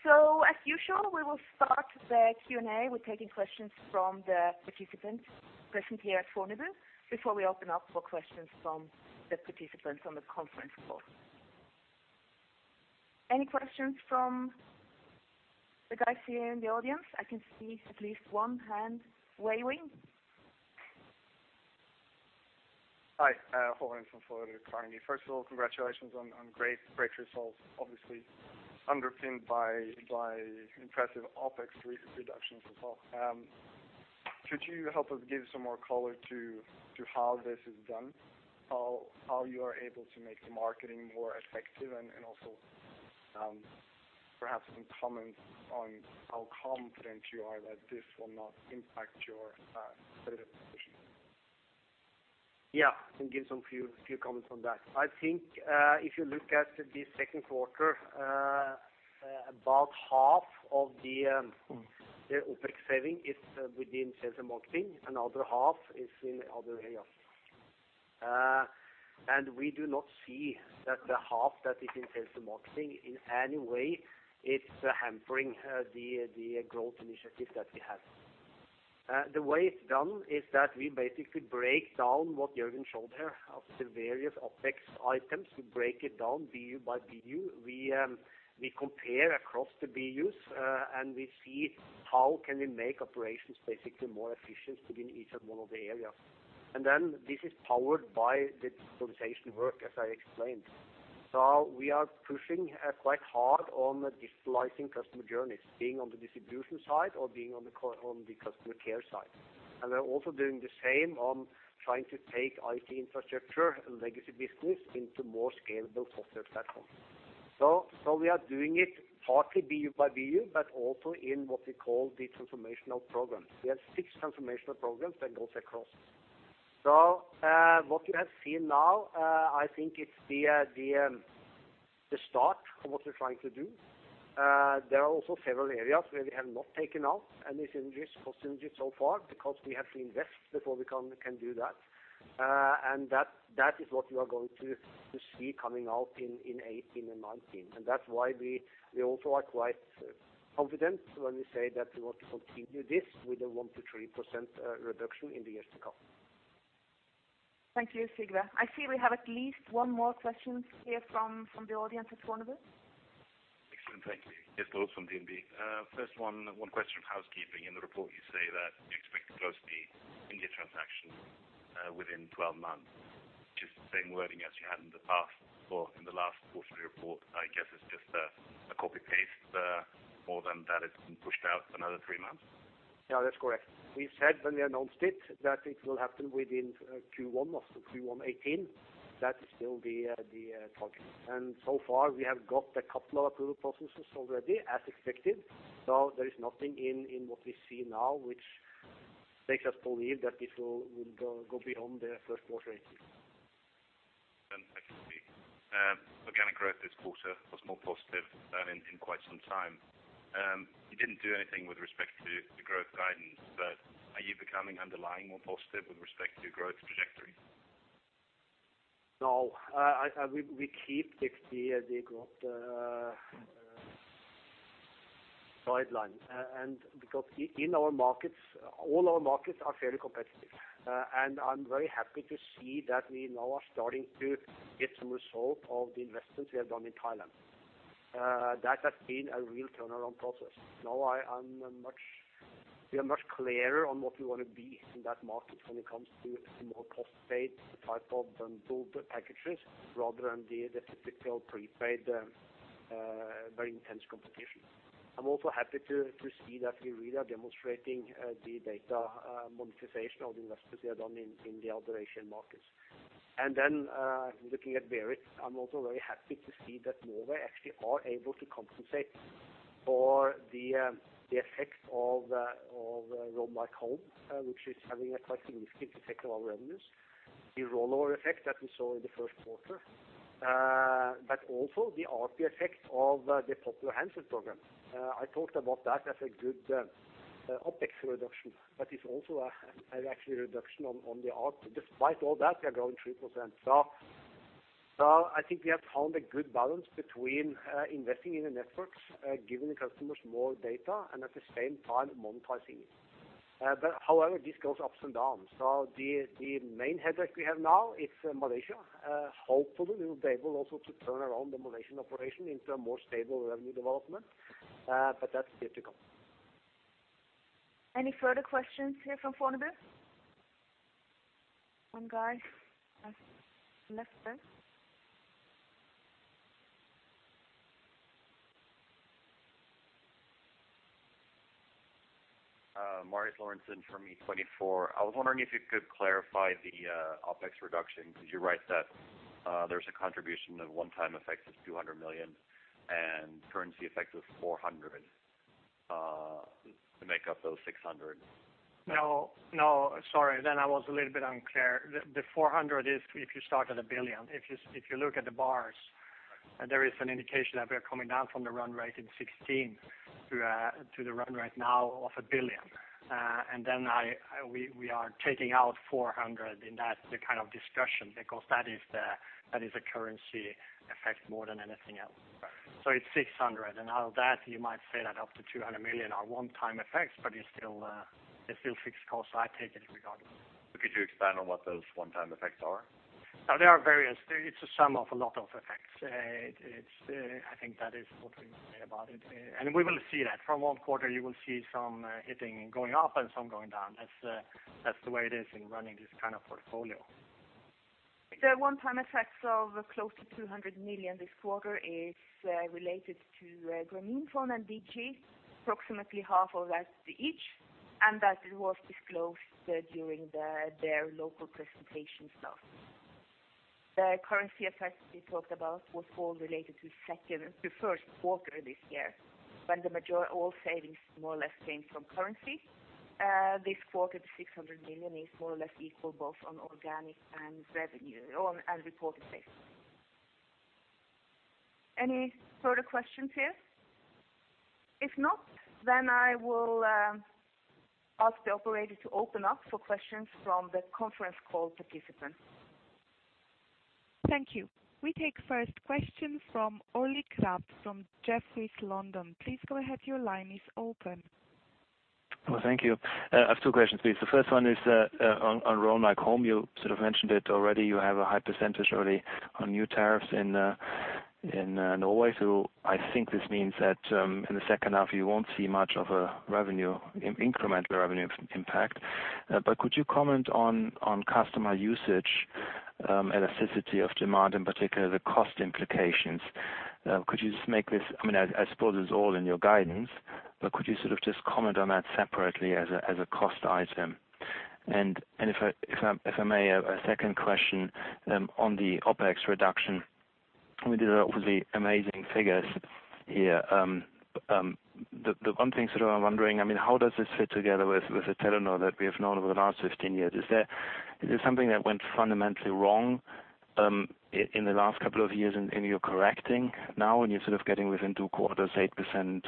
As usual, we will start the Q&A with taking questions from the participants presently at Fornebu, before we open up for questions from the participants on the conference call. Any questions from the guys here in the audience? I can see at least one hand waving. Hi, Horan from Carnegie. First of all, congratulations on great, great results, obviously underpinned by impressive OpEx reductions as well. Could you help us give some more color to how this is done, how you are able to make the marketing more effective? And also, perhaps some comments on how confident you are that this will not impact your data position. Yeah, I can give some few comments on that. I think, if you look at the second quarter, about half of the OpEx saving is within sales and marketing, another half is in other areas. And we do not see that the half that is in sales and marketing in any way, it's hampering the growth initiative that we have. The way it's done is that we basically break down what Jørgen showed here, of the various OpEx items. We break it down BU by BU. We compare across the BUs, and we see how can we make operations basically more efficient within each one of the areas. And then this is powered by the digitization work, as I explained. So we are pushing, quite hard on digitizing customer journeys, being on the distribution side or being on the customer care side. And we are also doing the same on trying to take IT infrastructure and legacy business into more scalable software platforms. So we are doing it partly BU by BU, but also in what we call the transformational programs. We have six transformational programs that goes across. So what you have seen now, I think it's the start of what we're trying to do. There are also several areas where we have not taken out any synergies, cost synergies so far, because we have to invest before we can do that. And that is what you are going to see coming out in 2018 and 2019. That's why we also are quite confident when we say that we want to continue this with a 1%-3% reduction in the years to come. Thank you, Sigve. I see we have at least one more question here from the audience at Fornebu. Excellent, thank you. Yes, Carlos from DNB. First one, one question of housekeeping. In the report, you say that you expect to close the India transaction within 12 months, which is the same wording as you had in the past, or in the last quarterly report. I guess it's just a copy-paste, more than that it's been pushed out another 3 months? Yeah, that's correct. We said when we announced it, that it will happen within Q1 of Q1 2018. That is still the target. And so far, we have got a couple of approval processes already, as expected. So there is nothing in what we see now which makes us believe that it will go beyond the first quarter 2018. Thank you. Organic growth this quarter was more positive in quite some time. You didn't do anything with respect to the growth guidance, but are you becoming underlying more positive with respect to growth trajectory? No, we keep the growth guideline and in our markets, all our markets are fairly competitive. And I'm very happy to see that we now are starting to get some result of the investments we have done in Thailand that has been a real turnaround process. We are much clearer on what we want to be in that market when it comes to a more post-paid type of bundled packages, rather than the typical prepaid, very intense competition. I'm also happy to see that we really are demonstrating the data monetization of the investments we have done in the other Asian markets. And then, looking at Berit, I'm also very happy to see that Norway actually are able to compensate for the effect of Roam Like Home, which is having a quite significant effect on our revenues, the rollover effect that we saw in the first quarter, but also the ARPU effect of the popular handset program. I talked about that as a good OpEx reduction, but it's also a an actually reduction on on the ARPU. Despite all that, we are growing 3%. So I think we have found a good balance between investing in the networks, giving the customers more data, and at the same time, monetizing it. But however, this goes ups and downs. So the main headache we have now is Malaysia. Hopefully, we will be able also to turn around the Malaysian operation into a more stable revenue development, but that's yet to come. Any further questions here from Fornebu? One guy has left us. Marius Lorentzen from E24. I was wondering if you could clarify the OpEx reduction, because you write that there's a contribution of one-time effects of 200 million and currency effect of 400 million to make up those 600 million. No, no, sorry, I was a little bit unclear. The 400 is if you start at 1 billion. If you look at the bars, there is an indication that we are coming down from the run rate in 2016 to the run rate now of 1 billion. And then we are taking out 400 in that kind of discussion, because that is a currency effect more than anything else. Right. So it's 600 million, and out of that, you might say that up to 200 million are one-time effects, but it's still, it's still fixed costs, so I take it regardless. Could you expand on what those one-time effects are? There are various. There, it's a sum of a lot of effects. I think that is what we say about it. We will see that. From one quarter, you will see some hitting, going up and some going down. That's the way it is in running this kind of portfolio. The one-time effects of close to 200 million this quarter is related to Grameenphone and Digi, approximately half of that each, and that it was disclosed during their local presentations last week. The currency effects we talked about was all related to second to first quarter this year, when all savings more or less came from currency. This quarter, the 600 million is more or less equal, both on organic and revenue, or on a reported basis. Any further questions here? If not, then I will ask the operator to open up for questions from the conference call participants. Thank you. We take first question from Oli Clapp from Jefferies London. Please go ahead, your line is open. Well, thank you. I have two questions, please. The first one is on Roam Like Home. You sort of mentioned it already. You have a high percentage already on new tariffs in Norway. So I think this means that in the second half, you won't see much of a revenue incremental revenue impact. But could you comment on customer usage elasticity of demand, in particular, the cost implications? Could you just make this, I mean, I suppose it's all in your guidance, but could you sort of just comment on that separately as a cost item? And if I may, a second question on the OpEx reduction. I mean, these are obviously amazing figures here. The one thing sort of I'm wondering, I mean, how does this fit together with the Telenor that we have known over the last 15 years? Is there something that went fundamentally wrong in the last couple of years, and you're correcting now, and you're sort of getting within 2 quarters, 8%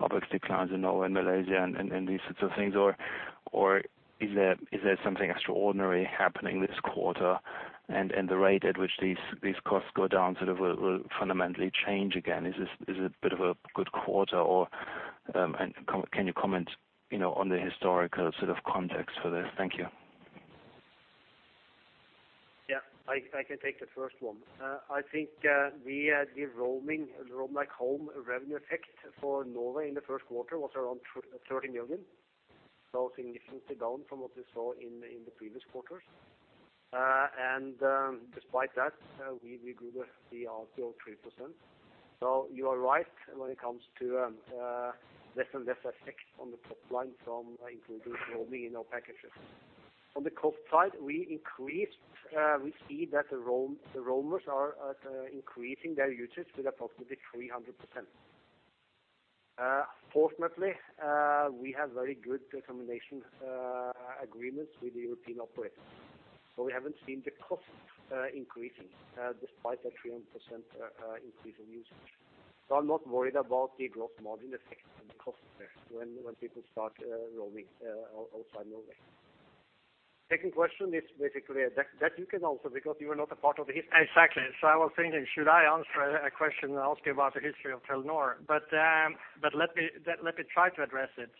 OpEx declines in Norway and Malaysia and these sorts of things? Or is there something extraordinary happening this quarter, and the rate at which these costs go down sort of will fundamentally change again? Is this a bit of a good quarter, or can you comment, you know, on the historical sort of context for this? Thank you. Yeah, I can take the first one. I think we had the roaming, the Roam Like Home revenue effect for Norway in the first quarter was around 30 million, so significantly down from what we saw in the previous quarters. And despite that, we grew the ARPU 3%. So you are right when it comes to less and less effect on the top line from including roaming in our packages. On the cost side, we see that the roamers are increasing their usage to approximately 300%. Fortunately, we have very good termination agreements with the European operators, so we haven't seen the cost increasing despite the 300% increase in usage. So I'm not worried about the gross margin effect on the cost there when people start roaming outside Norway. Second question is basically that you can answer because you are not a part of the history. Exactly. So I was thinking, should I answer a question asking about the history of Telenor? But let me try to address it.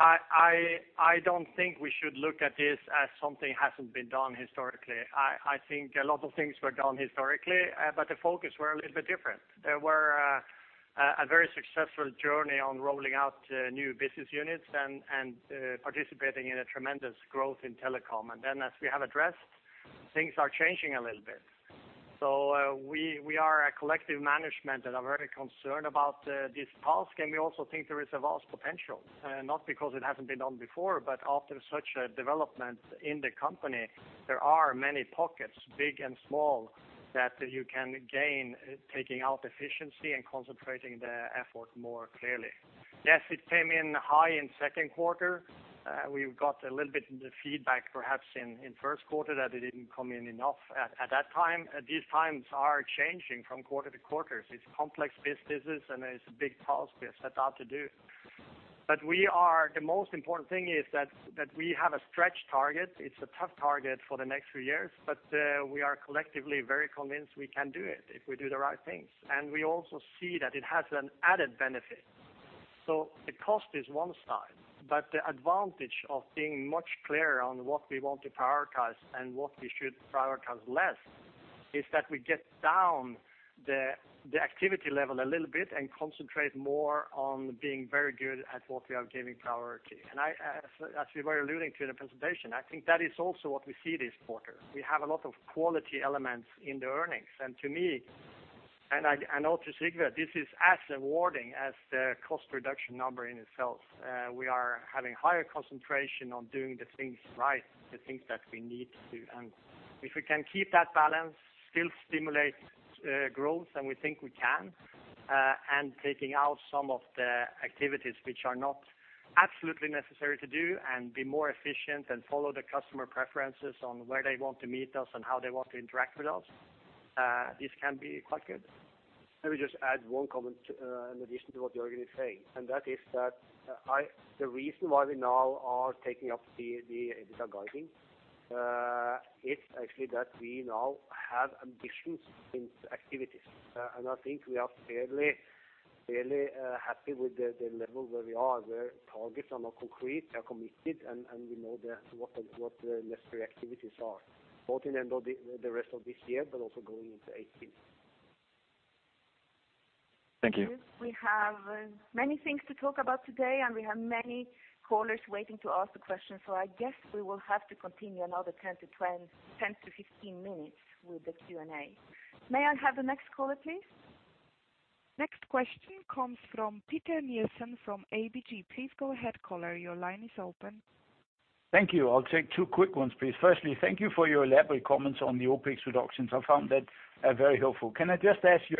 I don't think we should look at this as something hasn't been done historically. I think a lot of things were done historically, but the focus were a little bit different. There were a very successful journey on rolling out new business units and participating in a tremendous growth in telecom. And then, as we have addressed, things are changing a little bit. So, we are a collective management and are very concerned about this task, and we also think there is a vast potential, not because it hasn't been done before, but after such a development in the company, there are many pockets, big and small, that you can gain, taking out efficiency and concentrating the effort more clearly. Yes, it came in high in second quarter. We've got a little bit of the feedback, perhaps in first quarter, that it didn't come in enough at that time. These times are changing from quarter to quarter. It's complex businesses, and it's a big task we have set out to do. But we are the most important thing is that we have a stretch target. It's a tough target for the next few years, but we are collectively very convinced we can do it if we do the right things. And we also see that it has an added benefit. So the cost is one side, but the advantage of being much clearer on what we want to prioritize and what we should prioritize less, is that we get down the activity level a little bit and concentrate more on being very good at what we are giving priority. And I, as we were alluding to in the presentation, I think that is also what we see this quarter. We have a lot of quality elements in the earnings, and to me, and I, and also Sigve, this is as rewarding as the cost reduction number in itself. We are having higher concentration on doing the things right, the things that we need to. And if we can keep that balance, still stimulate, growth, and we think we can, and taking out some of the activities which are not absolutely necessary to do and be more efficient and follow the customer preferences on where they want to meet us and how they want to interact with us, this can be quite good. Let me just add one comment, in addition to what Jørgen is saying, and that is that, the reason why we now are taking up the, the EBITDA guiding, it's actually that we now have ambitions in activities. And I think we are fairly, fairly, happy with the, the level where we are, where targets are not concrete, are committed, and, and we know the, what the, what the necessary activities are, both in the, the rest of this year, but also going into 2018. Thank you. We have many things to talk about today, and we have many callers waiting to ask a question, so I guess we will have to continue another 10-15 minutes with the Q&A. May I have the next caller, please? Next question comes from Peter Nielsen from ABG. Please go ahead, caller. Your line is open. Thank you. I'll take two quick ones, please. Firstly, thank you for your elaborate comments on the OpEx reductions. I found that very helpful. Can I just ask you,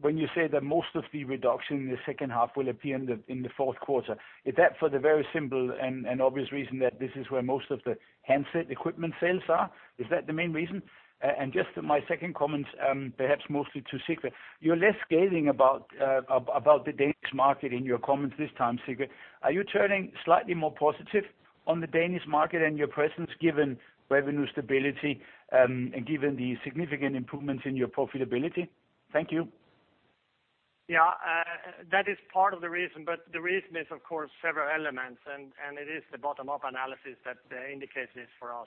when you say that most of the reduction in the second half will appear in the fourth quarter, is that for the very simple and obvious reason that this is where most of the handset equipment sales are? Is that the main reason? And just my second comment, perhaps mostly to Sigve. You're less scathing about the Danish market in your comments this time, Sigve. Are you turning slightly more positive on the Danish market and your presence, given revenue stability, and given the significant improvements in your profitability? Thank you. Yeah, that is part of the reason, but the reason is, of course, several elements, and, and it is the bottom-up analysis that indicates this for us.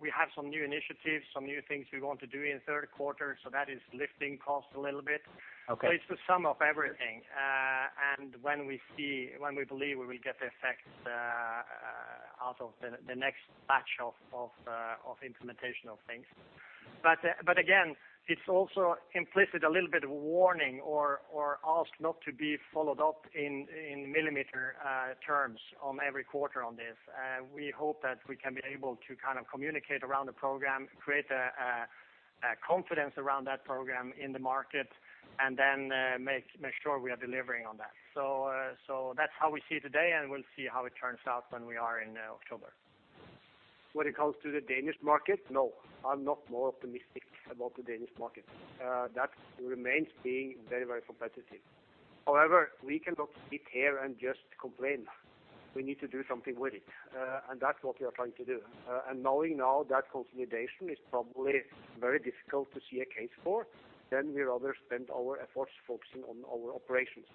We have some new initiatives, some new things we want to do in the third quarter, so that is lifting costs a little bit. Okay. But it's the sum of everything and when we see, when we believe we will get the effects out of the next batch of implementation of things. But again, it's also implicit, a little bit of a warning or ask not to be followed up in millimeter terms on every quarter on this. We hope that we can be able to kind of communicate around the program, create a confidence around that program in the market, and then make sure we are delivering on that. So that's how we see it today, and we'll see how it turns out when we are in October. When it comes to the Danish market, no, I'm not more optimistic about the Danish market. That remains being very, very competitive. However, we cannot sit here and just complain. We need to do something with it, and that's what we are trying to do. And knowing now that consolidation is probably very difficult to see a case for, then we'd rather spend our efforts focusing on our operations.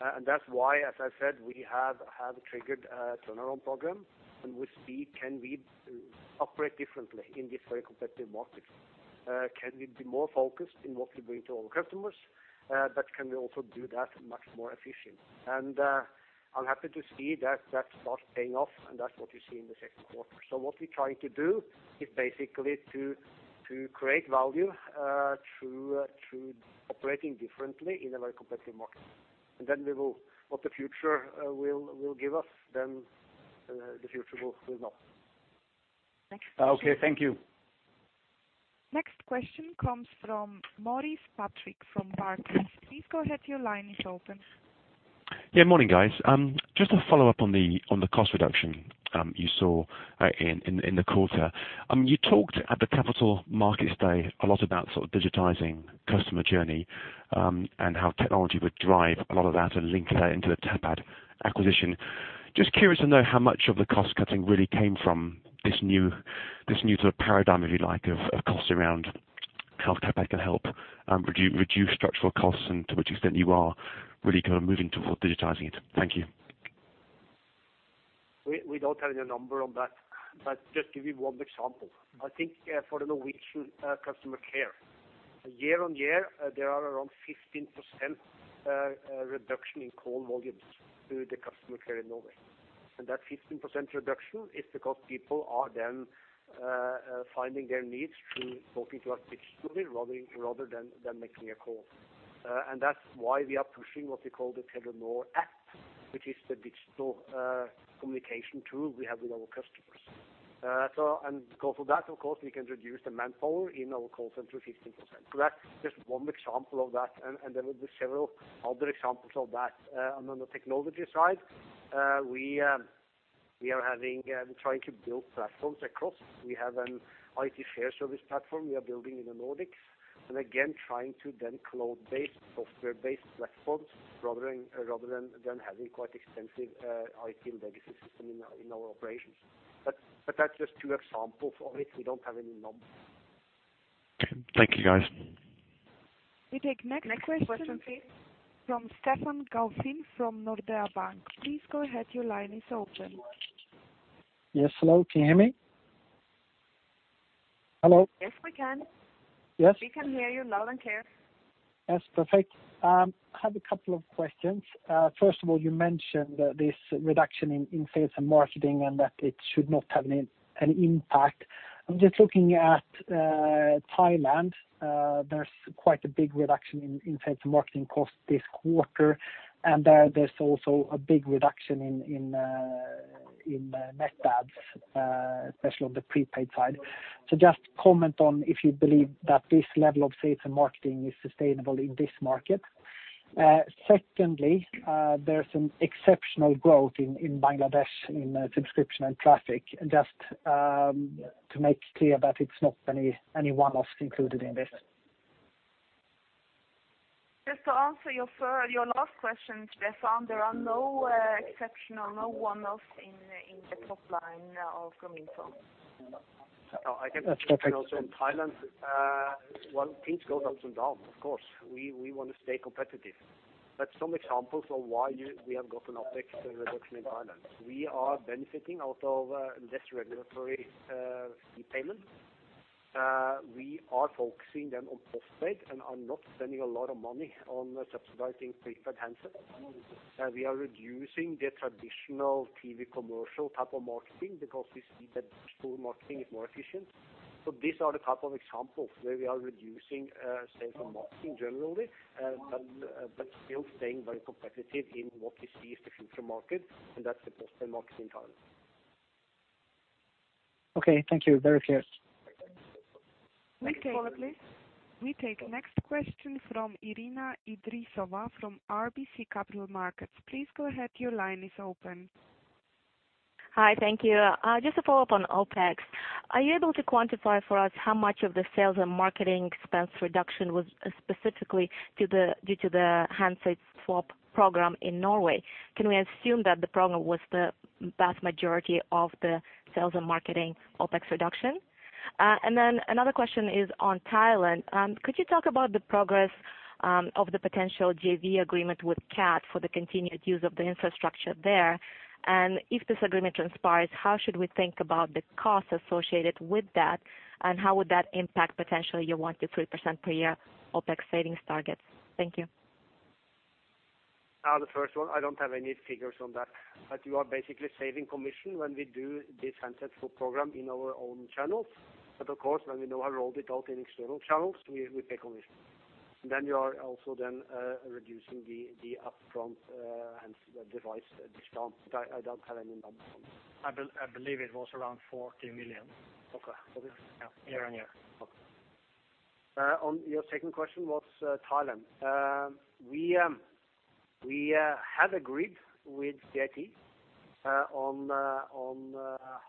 And that's why, as I said, we have triggered a turnaround program, and we see, can we operate differently in this very competitive market? Can we be more focused in what we bring to our customers, but can we also do that much more efficient? And I'm happy to see that that's not paying off, and that's what you see in the second quarter. So what we're trying to do is basically to create value through operating differently in a very competitive market. And then we will... What the future will give us, then, the future will know. Thanks. Okay, thank you. Next question comes from Maurice Patrick, from Barclays. Please go ahead, your line is open. Yeah, morning, guys. Just a follow-up on the cost reduction you saw in the quarter. You talked at the Capital Markets Day a lot about sort of digitizing customer journey, and how technology would drive a lot of that and link that into the Tapad acquisition. Just curious to know how much of the cost cutting really came from this new sort of paradigm, if you like, of costs around how Tapad can help reduce structural costs, and to which extent you are really kind of moving towards digitizing it? Thank you. We don't have any number on that, but just give you one example. I think, for the Norwegian customer care, year-over-year, there are around 15% reduction in call volumes to the customer care in Norway. That 15% reduction is because people are then finding their needs through talking to us digitally, rather than making a call. That's why we are pushing what we call the Telenor app, which is the digital communication tool we have with our customers. Of course, for that, of course, we can reduce the manpower in our call center to 15%. So that's just one example of that, and there will be several other examples of that. And on the technology side, we are having, trying to build platforms across. We have an IT shared service platform we are building in the Nordics, and again, trying to then cloud-based, software-based platforms, rather than having quite extensive, IT legacy system in our operations. But that's just two examples of it. We don't have any numbers. Thank you, guys. We take next question from Stefan Gauffin from Nordea Bank. Please go ahead, your line is open. Yes, hello. Can you hear me? Hello. Yes, we can. Yes. We can hear you loud and clear. That's perfect. I have a couple of questions. First of all, you mentioned this reduction in sales and marketing and that it should not have an impact. I'm just looking at Thailand. There's quite a big reduction in sales and marketing costs this quarter, and there's also a big reduction in net adds, especially on the prepaid side. So just comment on if you believe that this level of sales and marketing is sustainable in this market. Secondly, there's some exceptional growth in Bangladesh in subscription and traffic. Just to make clear that it's not any one-offs included in this. Just to answer your first, your last question, Stefan, there are no exceptional, no one-offs in the top line of Grameenphone. That's perfect. And also in Thailand, well, things go up and down, of course. We want to stay competitive. But some examples of why we have got an OpEx reduction in Thailand. We are benefiting out of less regulatory payment. We are focusing then on postpaid and are not spending a lot of money on subsidizing prepaid handsets. We are reducing the traditional TV commercial type of marketing, because we see that digital marketing is more efficient. So these are the type of examples where we are reducing sales and marketing generally, but still staying very competitive in what we see is the future market, and that's the postpaid market in Thailand. Okay, thank you. Very clear. Next caller, please. We take next question from Irina Idrissova, from RBC Capital Markets. Please go ahead, your line is open. Hi, thank you. Just to follow up on OpEx, are you able to quantify for us how much of the sales and marketing expense reduction was specifically to the, due to the handset swap program in Norway? Can we assume that the program was the vast majority of the sales and marketing OpEx reduction? And then another question is on Thailand. Could you talk about the progress of the potential JV agreement with CAT for the continued use of the infrastructure there? And if this agreement transpires, how should we think about the costs associated with that, and how would that impact potentially your 1%-3% per year OpEx savings targets? Thank you. The first one, I don't have any figures on that, but you are basically saving commission when we do this handset program in our own channels. But of course, when we know how to roll it out in external channels, we pay commission. Then you are also reducing the upfront and device discount. But I don't have any numbers on that. I believe it was around 40 million. Okay. Year-on-year. Okay. On your second question was Thailand. We have agreed with CAT on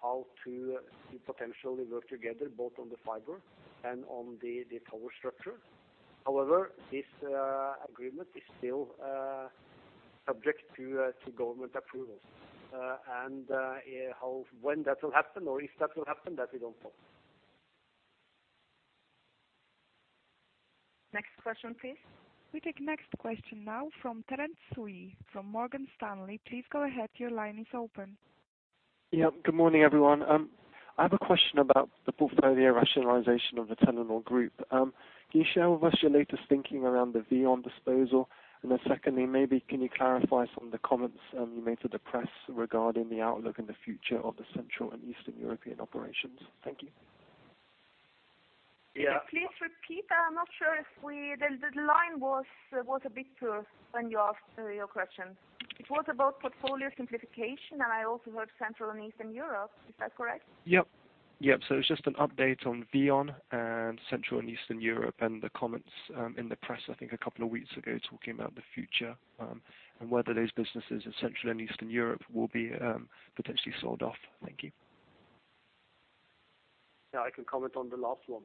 how to potentially work together, both on the fiber and on the tower structure. However, this agreement is still subject to government approval. And how, when that will happen or if that will happen, that we don't know. Next question, please. We take next question now from Terence Tsui, from Morgan Stanley. Please go ahead. Your line is open. Yeah. Good morning, everyone. I have a question about the portfolio rationalization of the Telenor Group. Can you share with us your latest thinking around the VEON disposal? And then secondly, maybe can you clarify some of the comments you made to the press regarding the outlook and the future of the Central and Eastern European operations? Thank you. Yeah. Please repeat. I'm not sure if we... The line was a bit poor when you asked your question. It was about portfolio simplification, and I also heard Central and Eastern Europe. Is that correct? Yep. Yep. So it's just an update on VEON and Central and Eastern Europe, and the comments in the press, I think a couple of weeks ago, talking about the future, and whether those businesses in Central and Eastern Europe will be potentially sold off. Thank you. Yeah, I can comment on the last one.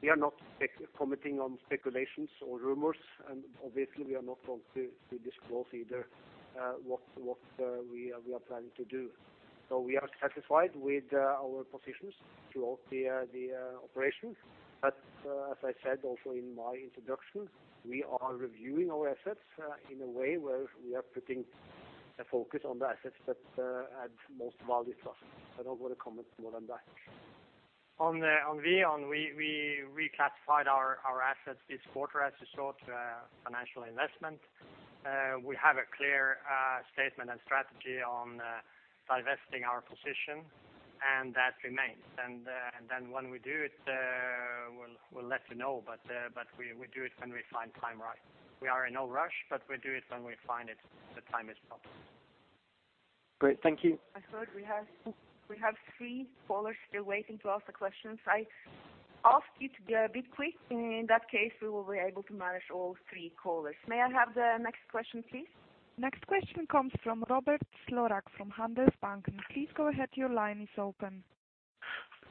We are not commenting on speculations or rumors, and obviously, we are not going to disclose either what we are planning to do. So we are satisfied with our positions throughout the operation. But as I said, also in my introduction, we are reviewing our assets in a way where we are putting a focus on the assets that add most value to us. I don't want to comment more on that. On VEON, we reclassified our assets this quarter as a short financial investment. We have a clear statement and strategy on divesting our position, and that remains. And then when we do it, we'll let you know. But we do it when we find time right. We are in no rush, but we do it when we find it, the time is proper. Great, thank you. I thought we have, we have three callers still waiting to ask the questions. I ask you to be a bit quick, and in that case, we will be able to manage all three callers. May I have the next question, please? Next question comes from Robert Slorach, from Handelsbanken. Please go ahead. Your line is open.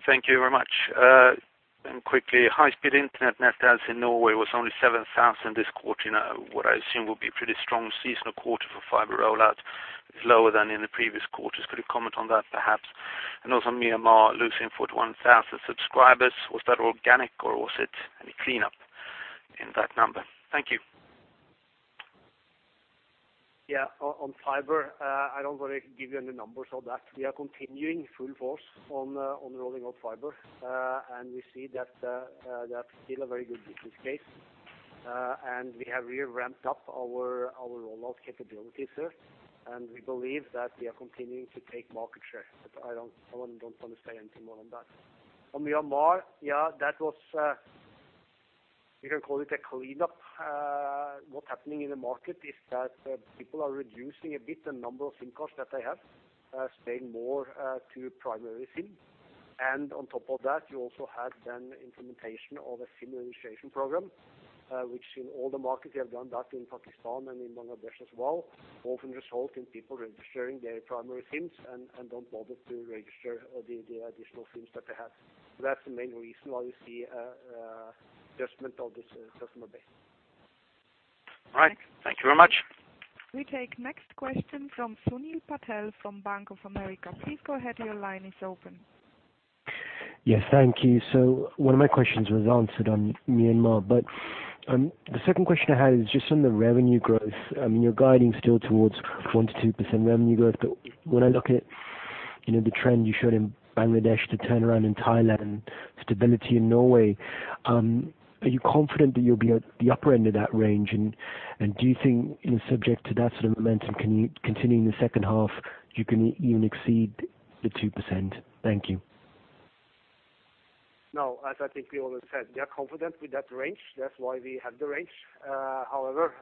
Thank you very much. And quickly, high-speed internet net sales in Norway was only 7,000 this quarter, in what I assume would be pretty strong seasonal quarter for fiber rollout, is lower than in the previous quarters. Could you comment on that, perhaps? And also, Myanmar losing 41,000 subscribers, was that organic, or was it any cleanup in that number? Thank you. Yeah. On fiber, I don't want to give you any numbers on that. We are continuing full force on rolling out fiber, and we see that that's still a very good business case. And we have really ramped up our rollout capabilities there, and we believe that we are continuing to take market share. But I don't want to say anything more on that. On Myanmar, yeah, that was you can call it a cleanup. What's happening in the market is that people are reducing a bit the number of SIM cards that they have, staying more to primary SIM. On top of that, you also had the implementation of a SIM registration program, which in all the markets we have done that, in Pakistan and in Bangladesh as well, often result in people registering their primary SIMs and don't bother to register the additional SIMs that they have. So that's the main reason why you see an adjustment of this customer base. All right. Thank you very much. We take next question from Sunil Patel, from Bank of America. Please go ahead. Your line is open. Yes, thank you. So one of my questions was answered on Myanmar, but the second question I had is just on the revenue growth. I mean, you're guiding still towards 1%-2% revenue growth, but when I look at, you know, the trend you showed in Bangladesh, the turnaround in Thailand, stability in Norway, are you confident that you'll be at the upper end of that range? And do you think, you know, subject to that sort of momentum, can you continue in the second half, you can even exceed the 2%? Thank you. No, as I think we all have said, we are confident with that range that's why we have the range. However,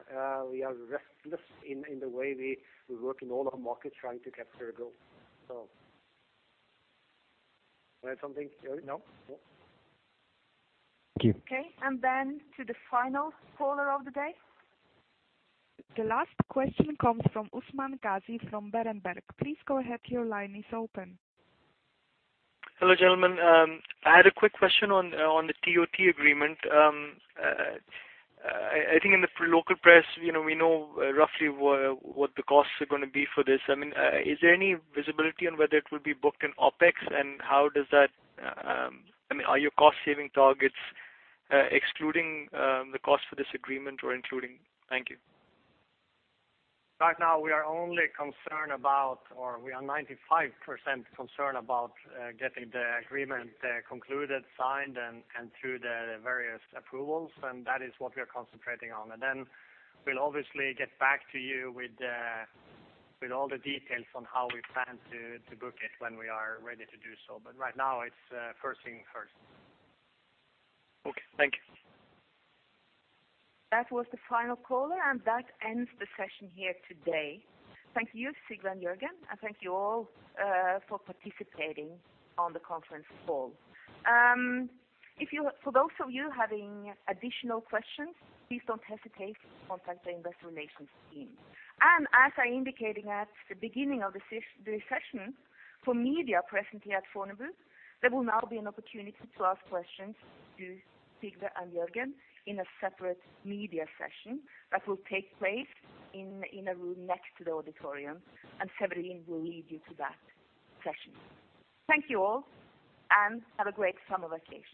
we are restless in the way we work in all our markets trying to capture growth. So... You have something, Jørgen? No? Thank you. Okay, and then to the final caller of the day. The last question comes from Usman Ghazi, from Berenberg. Please go ahead. Your line is open. Hello, gentlemen. I had a quick question on the TOT agreement. I think in the local press, you know, we know roughly what the costs are gonna be for this. I mean, is there any visibility on whether it will be booked in OpEx, and how does that... I mean, are your cost saving targets excluding the cost for this agreement or including? Thank you. Right now, we are only concerned about, or we are 95% concerned about, getting the agreement concluded, signed, and through the various approvals, and that is what we are concentrating on. And then we'll obviously get back to you with all the details on how we plan to book it when we are ready to do so. But right now, it's first things first. Okay, thank you. That was the final caller, and that ends the session here today. Thank you, Sigve and Jørgen, and thank you all for participating on the conference call. For those of you having additional questions, please don't hesitate to contact the investor relations team. As I indicated at the beginning of the session, for media presently at Fornebu, there will now be an opportunity to ask questions to Sigve and Jørgen in a separate media session that will take place in a room next to the auditorium, and Severine will lead you to that session. Thank you all, and have a great summer vacation.